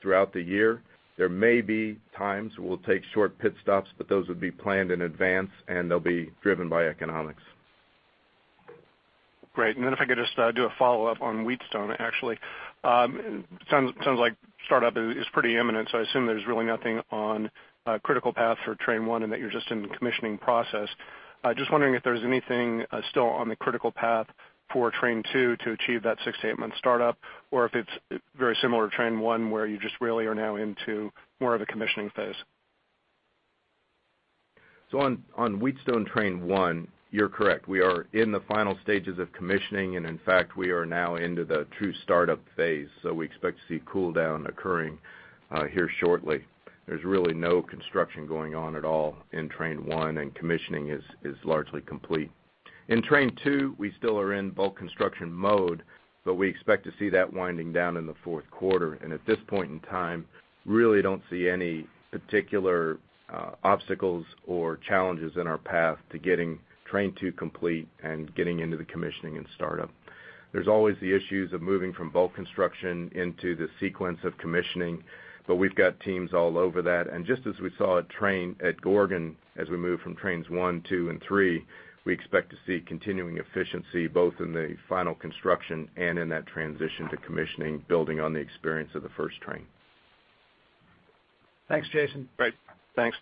S3: throughout the year. There may be times we'll take short pit stops, but those would be planned in advance, and they'll be driven by economics.
S9: Great. If I could just do a follow-up on Wheatstone, actually. It sounds like startup is pretty imminent, so I assume there's really nothing on critical path for train one and that you're just in the commissioning process. Just wondering if there's anything still on the critical path for train two to achieve that 6 to 8-month startup, or if it's very similar to train one, where you just really are now into more of a commissioning phase.
S3: On Wheatstone train one, you're correct. We are in the final stages of commissioning, and in fact, we are now into the true startup phase. We expect to see cool down occurring here shortly. There's really no construction going on at all in train one, and commissioning is largely complete. In train 2, we still are in bulk construction mode, but we expect to see that winding down in the 4th quarter. At this point in time, really don't see any particular obstacles or challenges in our path to getting train 2 complete and getting into the commissioning and startup. There's always the issues of moving from bulk construction into the sequence of commissioning, but we've got teams all over that. Just as we saw at Gorgon, as we move from trains 1, 2, and 3, we expect to see continuing efficiency, both in the final construction and in that transition to commissioning, building on the experience of the first train.
S2: Thanks, Jason.
S9: Great. Thanks.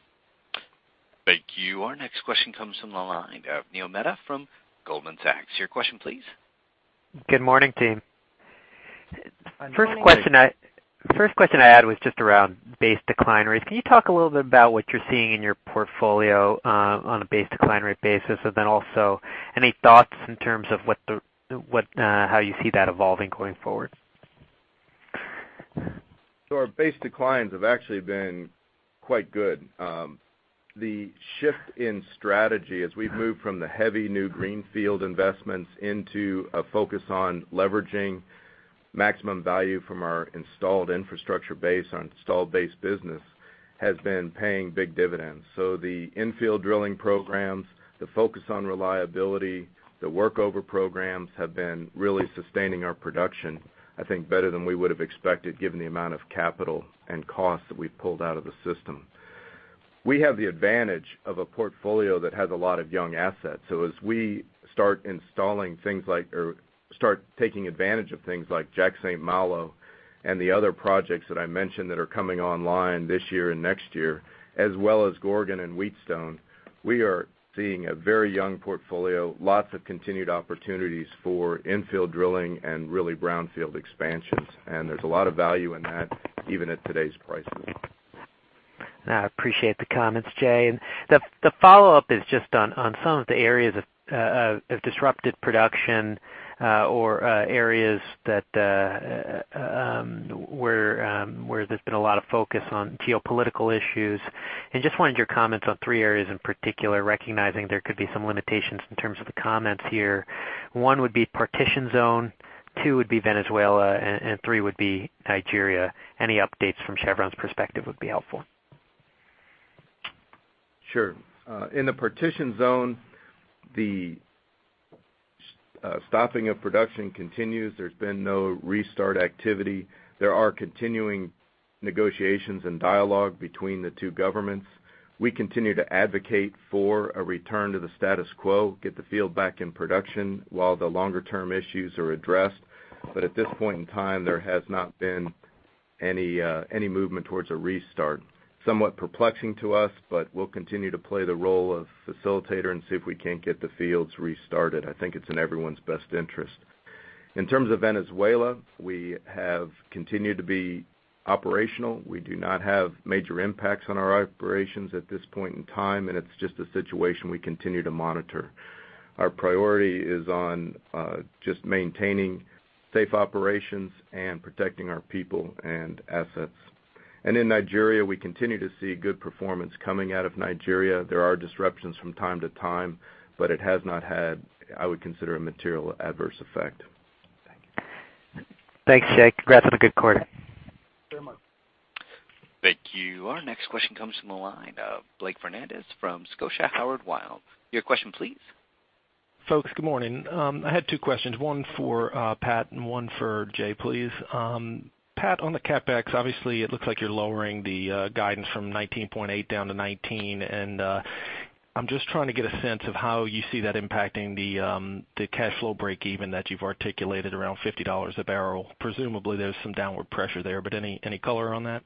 S1: Thank you. Our next question comes from the line of Neil Mehta from Goldman Sachs. Your question, please.
S10: Good morning, team.
S2: Good morning.
S10: First question I had was just around base decline rates. Can you talk a little bit about what you're seeing in your portfolio on a base decline rate basis? Also any thoughts in terms of how you see that evolving going forward?
S3: Our base declines have actually been quite good. The shift in strategy as we've moved from the heavy new greenfield investments into a focus on leveraging maximum value from our installed infrastructure base on installed base business has been paying big dividends. The infill drilling programs, the focus on reliability, the workover programs have been really sustaining our production, I think, better than we would've expected given the amount of capital and cost that we've pulled out of the system. We have the advantage of a portfolio that has a lot of young assets. As we start taking advantage of things like Jack St. Malo and the other projects that I mentioned that are coming online this year and next year, as well as Gorgon and Wheatstone, we are seeing a very young portfolio, lots of continued opportunities for infill drilling and really brownfield expansions. There's a lot of value in that even at today's prices.
S10: I appreciate the comments, Jay. The follow-up is just on some of the areas of disrupted production or areas where there's been a lot of focus on geopolitical issues, just wanted your comments on three areas in particular, recognizing there could be some limitations in terms of the comments here. One would be Partitioned Zone, two would be Venezuela, three would be Nigeria. Any updates from Chevron's perspective would be helpful.
S3: Sure. In the Partitioned Zone, the stopping of production continues. There's been no restart activity. There are continuing negotiations and dialogue between the two governments. We continue to advocate for a return to the status quo, get the field back in production while the longer term issues are addressed. At this point in time, there has not been any movement towards a restart. Somewhat perplexing to us, but we'll continue to play the role of facilitator and see if we can't get the fields restarted. I think it's in everyone's best interest. In terms of Venezuela, we have continued to be operational. We do not have major impacts on our operations at this point in time, and it's just a situation we continue to monitor. Our priority is on just maintaining safe operations and protecting our people and assets. In Nigeria, we continue to see good performance coming out of Nigeria. There are disruptions from time to time, but it has not had, I would consider, a material adverse effect.
S10: Thank you. Thanks, Jay. Congrats on a good quarter.
S2: Very much.
S1: Thank you. Our next question comes from the line of Blake Fernandez from Scotia Howard Weil. Your question, please.
S11: Folks, good morning. I had two questions, one for Pat and one for Jay, please. Pat, on the CapEx, obviously it looks like you're lowering the guidance from 19.8 down to 19, I'm just trying to get a sense of how you see that impacting the cash flow breakeven that you've articulated around $50 a barrel. Presumably there's some downward pressure there, any color on that?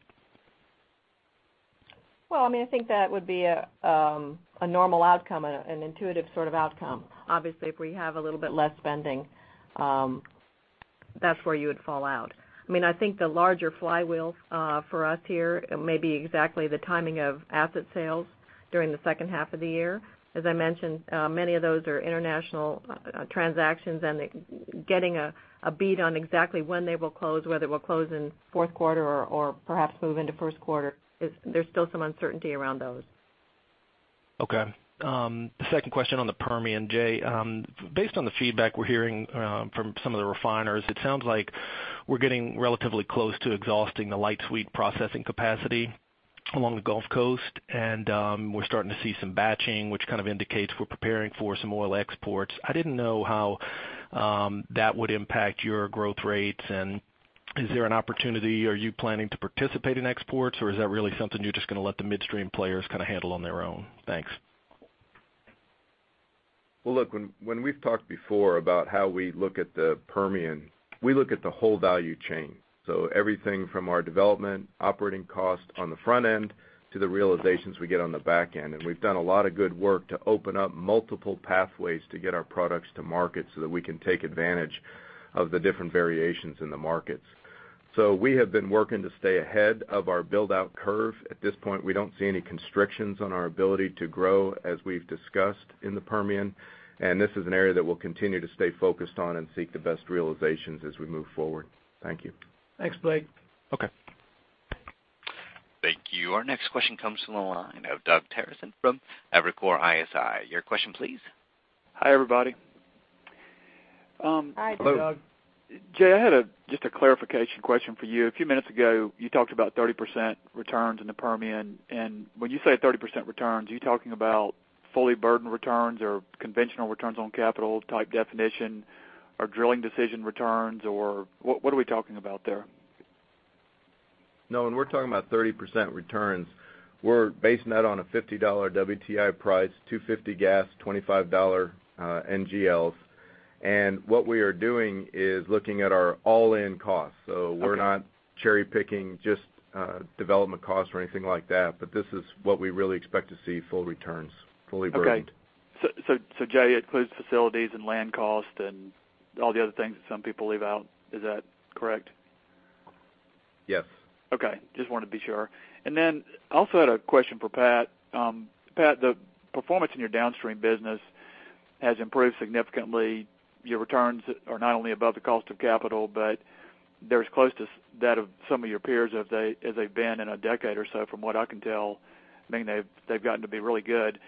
S2: Well, I think that would be a normal outcome, an intuitive sort of outcome. Obviously, if we have a little bit less spending, that's where you would fall out. I think the larger flywheel for us here may be exactly the timing of asset sales during the second half of the year. As I mentioned, many of those are international transactions getting a bead on exactly when they will close, whether it will close in fourth quarter or perhaps move into first quarter, there's still some uncertainty around those.
S11: Okay. The second question on the Permian, Jay. Based on the feedback we're hearing from some of the refiners, it sounds like we're getting relatively close to exhausting the light sweet processing capacity along the Gulf Coast, we're starting to see some batching, which kind of indicates we're preparing for some oil exports. I didn't know how that would impact your growth rates, is there an opportunity? Are you planning to participate in exports, or is that really something you're just going to let the midstream players handle on their own? Thanks.
S3: Well, look, when we've talked before about how we look at the Permian, we look at the whole value chain. Everything from our development operating cost on the front end to the realizations we get on the back end. We've done a lot of good work to open up multiple pathways to get our products to market so that we can take advantage of the different variations in the markets. We have been working to stay ahead of our build-out curve. At this point, we don't see any constrictions on our ability to grow as we've discussed in the Permian, and this is an area that we'll continue to stay focused on and seek the best realizations as we move forward. Thank you.
S2: Thanks, Blake.
S11: Okay.
S1: Thank you. Our next question comes from the line of Doug Terreson from Evercore ISI. Your question, please.
S12: Hi, everybody.
S2: Hi, Doug.
S12: Jay, I had just a clarification question for you. A few minutes ago, you talked about 30% returns in the Permian, when you say 30% returns, are you talking about fully burdened returns or conventional returns on capital type definition or drilling decision returns, or what are we talking about there?
S3: No, when we're talking about 30% returns, we're basing that on a $50 WTI price, $250 gas, $25 NGLs. What we are doing is looking at our all-in costs.
S12: Okay.
S3: We're not cherry-picking just development costs or anything like that, but this is what we really expect to see full returns, fully burdened.
S12: Okay. Jay, it includes facilities and land costs and all the other things that some people leave out, is that correct?
S3: Yes.
S12: Okay. Just wanted to be sure. Also had a question for Pat. Pat, the performance in your downstream business has improved significantly. Your returns are not only above the cost of capital, but they're as close to that of some of your peers as they've been in a decade or so, from what I can tell. I mean, they've gotten to be really good.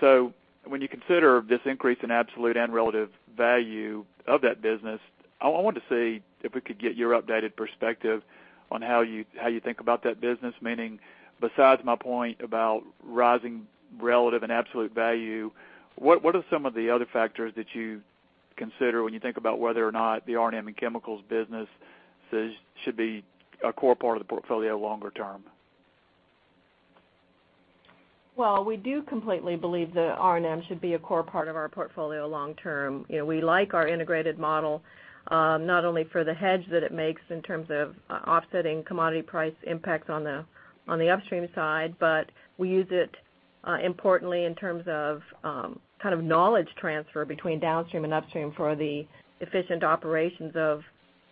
S12: When you consider this increase in absolute and relative value of that business, I wanted to see if we could get your updated perspective on how you think about that business. Meaning, besides my point about rising relative and absolute value, what are some of the other factors that you consider when you think about whether or not the R&M and chemicals business should be a core part of the portfolio longer term?
S2: Well, we do completely believe that R&M should be a core part of our portfolio long term. We like our integrated model, not only for the hedge that it makes in terms of offsetting commodity price impacts on the upstream side, but we use it importantly in terms of knowledge transfer between downstream and upstream for the efficient operations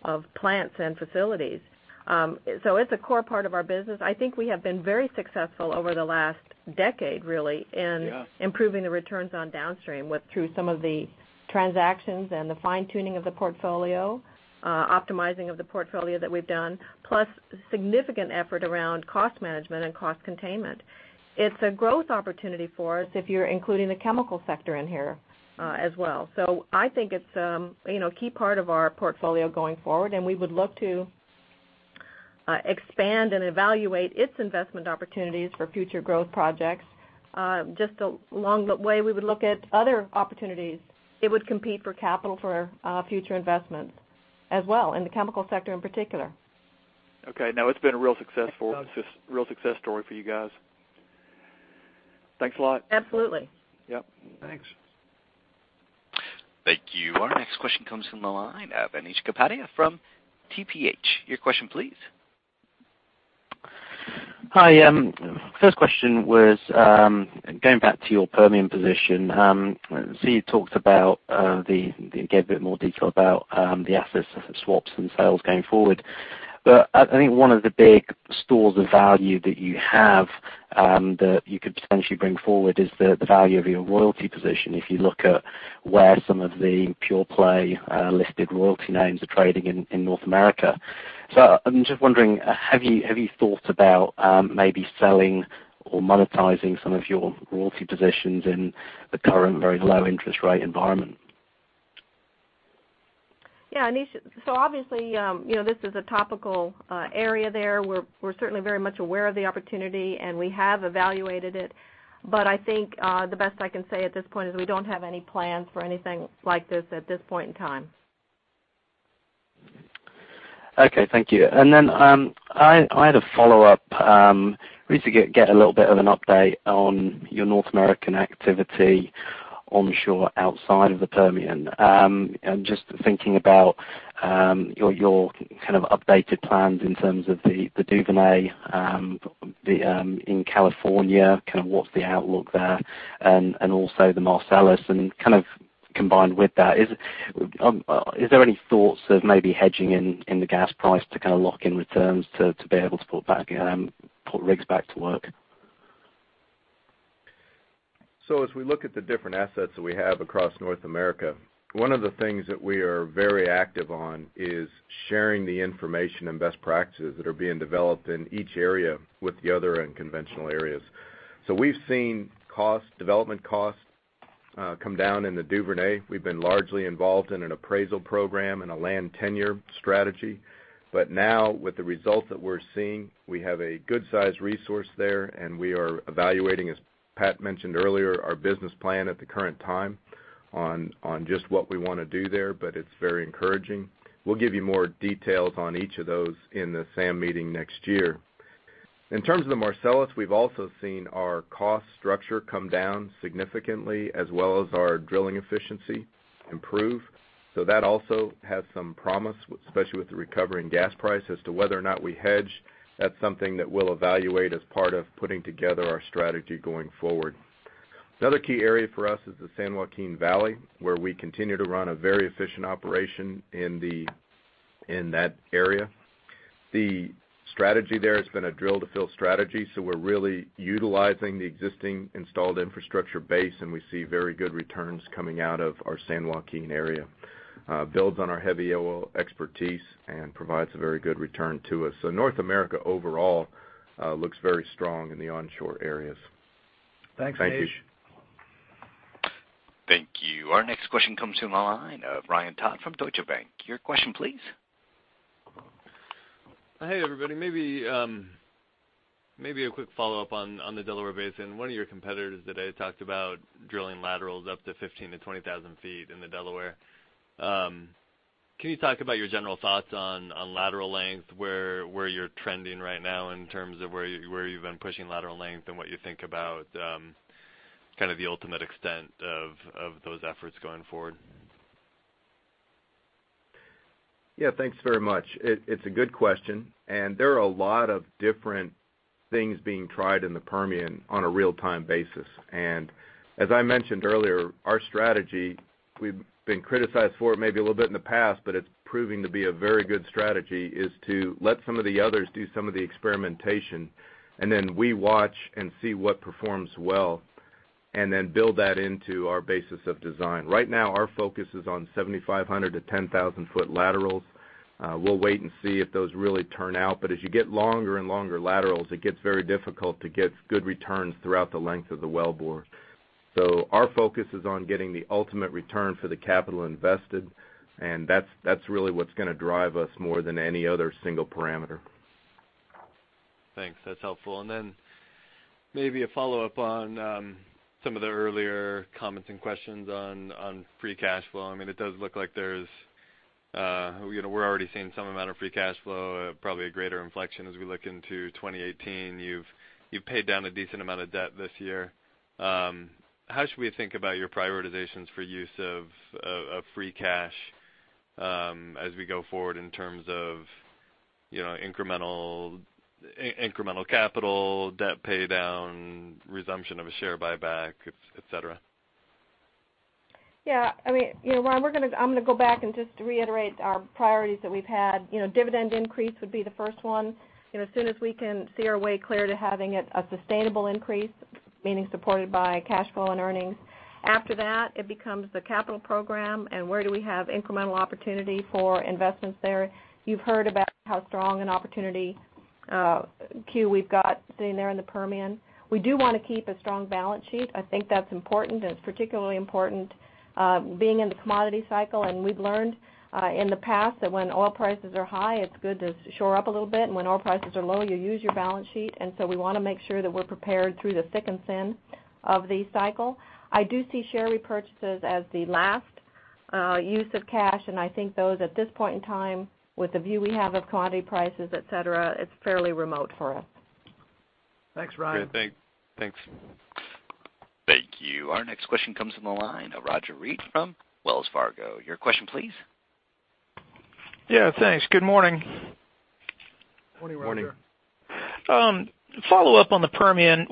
S2: of plants and facilities. It's a core part of our business. I think we have been very successful over the last decade, really-
S12: Yes
S2: in improving the returns on downstream through some of the transactions and the fine tuning of the portfolio, optimizing of the portfolio that we've done, plus significant effort around cost management and cost containment. It's a growth opportunity for us if you're including the chemical sector in here as well. I think it's a key part of our portfolio going forward, and we would look to expand and evaluate its investment opportunities for future growth projects. Just along the way, we would look at other opportunities. It would compete for capital for future investments as well, in the chemical sector in particular.
S12: Okay. No, it's been a real success story for you guys. Thanks a lot.
S2: Absolutely.
S12: Yep.
S3: Thanks.
S1: Thank you. Our next question comes from the line of Anish Kapadia from TPH. Your question, please.
S13: Hi. First question was going back to your Permian position. I see you talked about gave a bit more detail about the assets swaps and sales going forward. I think one of the big stores of value that you have that you could potentially bring forward is the value of your royalty position if you look at where some of the pure-play listed royalty names are trading in North America. I'm just wondering, have you thought about maybe selling or monetizing some of your royalty positions in the current very low interest rate environment?
S2: Yeah, Anish. Obviously, this is a topical area there. We're certainly very much aware of the opportunity, and we have evaluated it. I think the best I can say at this point is we don't have any plans for anything like this at this point in time.
S13: Okay. Thank you. I had a follow-up, really to get a little bit of an update on your North American activity onshore outside of the Permian. Just thinking about your kind of updated plans in terms of the Duvernay in California, what's the outlook there, and also the Marcellus. Kind of combined with that, is there any thoughts of maybe hedging in the gas price to kind of lock in returns to be able to put rigs back to work?
S3: As we look at the different assets that we have across North America, one of the things that we are very active on is sharing the information and best practices that are being developed in each area with the other unconventional areas. We've seen development costs come down in the Duvernay. We've been largely involved in an appraisal program and a land tenure strategy. With the results that we're seeing, we have a good size resource there, and we are evaluating, as Pat mentioned earlier, our business plan at the current time on just what we want to do there, but it's very encouraging. We'll give you more details on each of those in the SAM meeting next year. In terms of the Marcellus, we've also seen our cost structure come down significantly as well as our drilling efficiency improve. That also has some promise, especially with the recovering gas price. As to whether or not we hedge, that's something that we'll evaluate as part of putting together our strategy going forward. Another key area for us is the San Joaquin Valley, where we continue to run a very efficient operation in that area. The strategy there has been a drill to fill strategy, so we're really utilizing the existing installed infrastructure base, and we see very good returns coming out of our San Joaquin area. Builds on our heavy oil expertise and provides a very good return to us. North America overall looks very strong in the onshore areas. Thanks, Anish.
S1: Thank you. Our next question comes from the line of Ryan Todd from Deutsche Bank. Your question, please?
S14: Hey, everybody. Maybe a quick follow-up on the Delaware Basin. One of your competitors today talked about drilling laterals up to 15,000-20,000 feet in the Delaware. Can you talk about your general thoughts on lateral length, where you're trending right now in terms of where you've been pushing lateral length and what you think about the ultimate extent of those efforts going forward?
S3: Yeah. Thanks very much. It's a good question, there are a lot of different things being tried in the Permian on a real-time basis. As I mentioned earlier, our strategy, we've been criticized for it maybe a little bit in the past, but it's proving to be a very good strategy, is to let some of the others do some of the experimentation, then we watch and see what performs well and then build that into our basis of design. Right now, our focus is on 7,500-10,000-foot laterals. We'll wait and see if those really turn out. As you get longer and longer laterals, it gets very difficult to get good returns throughout the length of the wellbore. Our focus is on getting the ultimate return for the capital invested, and that's really what's going to drive us more than any other single parameter.
S14: Thanks. That's helpful. Maybe a follow-up on some of the earlier comments and questions on free cash flow. It does look like we're already seeing some amount of free cash flow, probably a greater inflection as we look into 2018. You've paid down a decent amount of debt this year. How should we think about your prioritizations for use of free cash as we go forward in terms of incremental capital, debt paydown, resumption of a share buyback, et cetera?
S2: Ryan, I'm going to go back and just reiterate our priorities that we've had. Dividend increase would be the first one. As soon as we can see our way clear to having it a sustainable increase, meaning supported by cash flow and earnings. After that, it becomes the capital program and where do we have incremental opportunity for investments there. You've heard about how strong an opportunity queue we've got sitting there in the Permian. We do want to keep a strong balance sheet. I think that's important, and it's particularly important being in the commodity cycle, and we've learned in the past that when oil prices are high, it's good to shore up a little bit, and when oil prices are low, you use your balance sheet. We want to make sure that we're prepared through the thick and thin of the cycle. I do see share repurchases as the last use of cash, and I think those at this point in time, with the view we have of commodity prices, et cetera, it's fairly remote for us.
S3: Thanks, Ryan.
S14: Great. Thanks.
S1: Thank you. Our next question comes from the line of Roger Read from Wells Fargo. Your question, please?
S15: Yeah, thanks. Good morning.
S8: Morning, Roger.
S3: Morning.
S15: Follow-up on the Permian.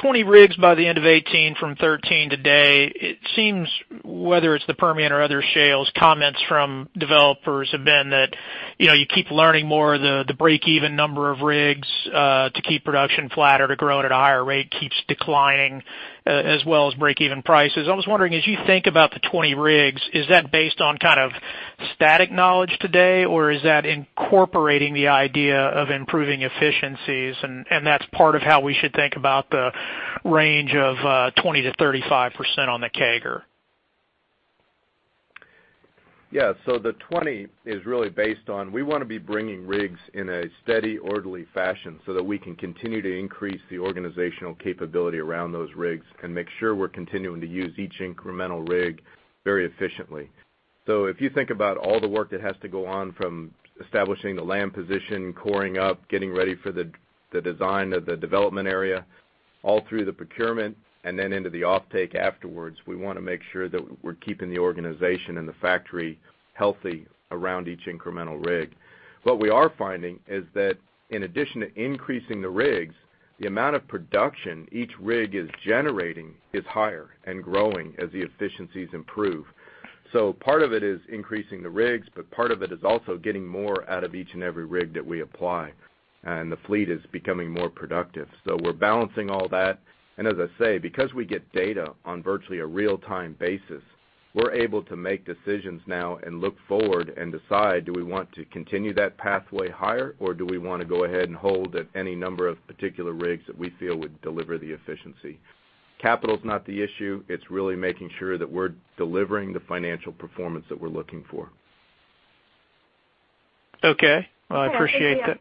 S15: 20 rigs by the end of 2018 from 13 today. It seems whether it's the Permian or other shales, comments from developers have been that you keep learning more, the breakeven number of rigs to keep production flat or to grow it at a higher rate keeps declining, as well as breakeven prices. I was wondering, as you think about the 20 rigs, is that based on static knowledge today, or is that incorporating the idea of improving efficiencies and that's part of how we should think about the range of 20%-35% on the CAGR?
S3: Yeah. The 20 is really based on we want to be bringing rigs in a steady, orderly fashion so that we can continue to increase the organizational capability around those rigs and make sure we're continuing to use each incremental rig very efficiently. If you think about all the work that has to go on from establishing the land position, coring up, getting ready for the design of the development area, all through the procurement, and then into the offtake afterwards, we want to make sure that we're keeping the organization and the factory healthy around each incremental rig. What we are finding is that in addition to increasing the rigs, the amount of production each rig is generating is higher and growing as the efficiencies improve. Part of it is increasing the rigs, but part of it is also getting more out of each and every rig that we apply, and the fleet is becoming more productive. We're balancing all that. As I say, because we get data on virtually a real-time basis, we're able to make decisions now and look forward and decide, do we want to continue that pathway higher, or do we want to go ahead and hold at any number of particular rigs that we feel would deliver the efficiency? Capital's not the issue. It's really making sure that we're delivering the financial performance that we're looking for.
S15: Okay. I appreciate that.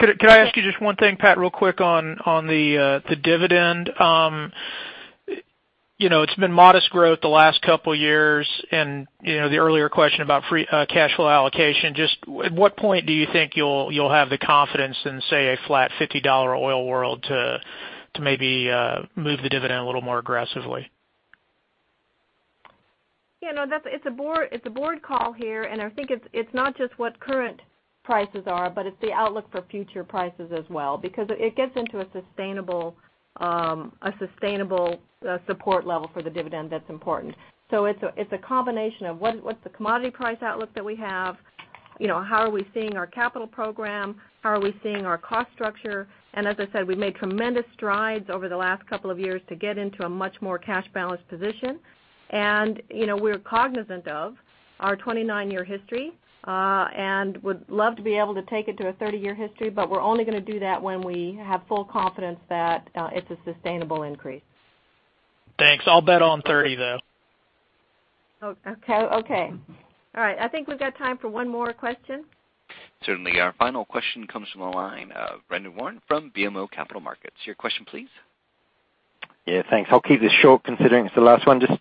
S2: Yeah.
S15: Could I ask you just one thing, Pat, real quick on the dividend? It's been modest growth the last couple years, and the earlier question about free cash flow allocation. Just at what point do you think you'll have the confidence in, say, a flat $50 oil world to maybe move the dividend a little more aggressively?
S2: Yeah. No, it's a board call here. I think it's not just what current prices are, but it's the outlook for future prices as well, because it gets into a sustainable support level for the dividend that's important. It's a combination of what's the commodity price outlook that we have? How are we seeing our capital program? How are we seeing our cost structure? As I said, we've made tremendous strides over the last couple of years to get into a much more cash balanced position. We're cognizant of our 29-year history, and would love to be able to take it to a 30-year history. We're only going to do that when we have full confidence that it's a sustainable increase.
S15: Thanks. I'll bet on 30, though.
S2: Okay. All right. I think we've got time for one more question.
S1: Certainly. Our final question comes from the line of Brendan Warn from BMO Capital Markets. Your question, please.
S16: Yeah, thanks. I'll keep this short, considering it's the last one. Just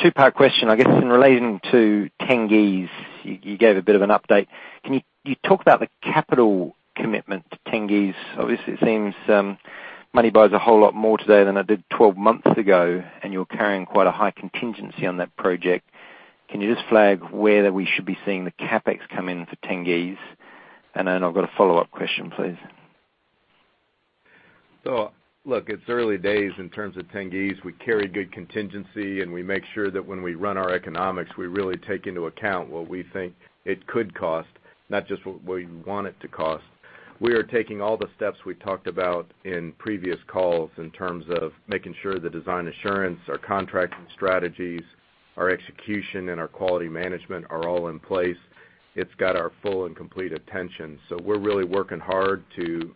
S16: two-part question, I guess, in relating to Tengiz. You gave a bit of an update. Can you talk about the capital commitment to Tengiz? Obviously, it seems money buys a whole lot more today than it did 12 months ago, and you're carrying quite a high contingency on that project. Can you just flag whether we should be seeing the CapEx come in for Tengiz? I've got a follow-up question, please.
S3: Look, it's early days in terms of Tengiz. We carry good contingency, and we make sure that when we run our economics, we really take into account what we think it could cost, not just what we want it to cost. We are taking all the steps we talked about in previous calls in terms of making sure the design assurance, our contracting strategies, our execution, and our quality management are all in place. It's got our full and complete attention. We're really working hard to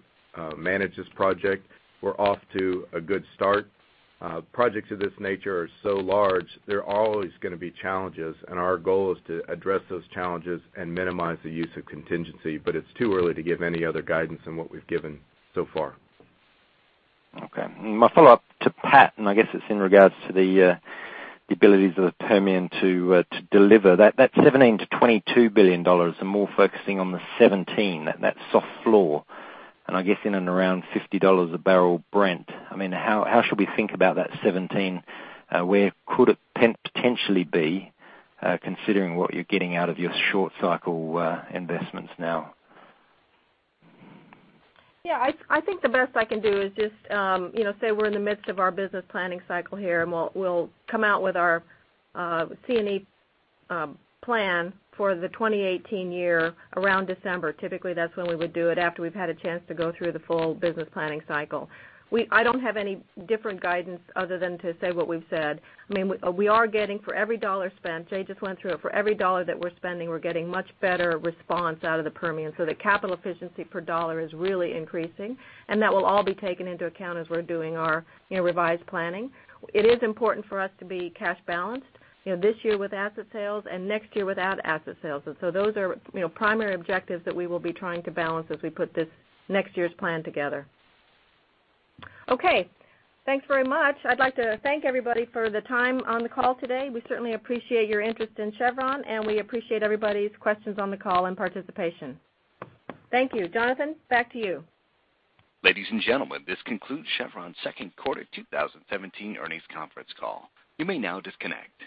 S3: manage this project. We're off to a good start. Projects of this nature are so large, there are always going to be challenges, and our goal is to address those challenges and minimize the use of contingency. It's too early to give any other guidance than what we've given so far.
S16: Okay. My follow-up to Pat, I guess it's in regards to the abilities of the Permian to deliver. That $17 billion-$22 billion, I'm more focusing on the 17, that soft floor. I guess in and around $50 a barrel Brent. How should we think about that 17? Where could it potentially be, considering what you're getting out of your short cycle investments now?
S2: Yeah, I think the best I can do is just say we're in the midst of our business planning cycle here, and we'll come out with our C&E plan for the 2018 year around December. Typically, that's when we would do it, after we've had a chance to go through the full business planning cycle. I don't have any different guidance other than to say what we've said. We are getting for every dollar spent, Jay just went through it, for every dollar that we're spending, we're getting much better response out of the Permian. The capital efficiency per dollar is really increasing, and that will all be taken into account as we're doing our revised planning. It is important for us to be cash balanced, this year with asset sales and next year without asset sales. Those are primary objectives that we will be trying to balance as we put next year's plan together. Okay, thanks very much. I'd like to thank everybody for the time on the call today. We certainly appreciate your interest in Chevron, and we appreciate everybody's questions on the call and participation. Thank you. Jonathan, back to you.
S1: Ladies and gentlemen, this concludes Chevron's second quarter 2017 earnings conference call. You may now disconnect.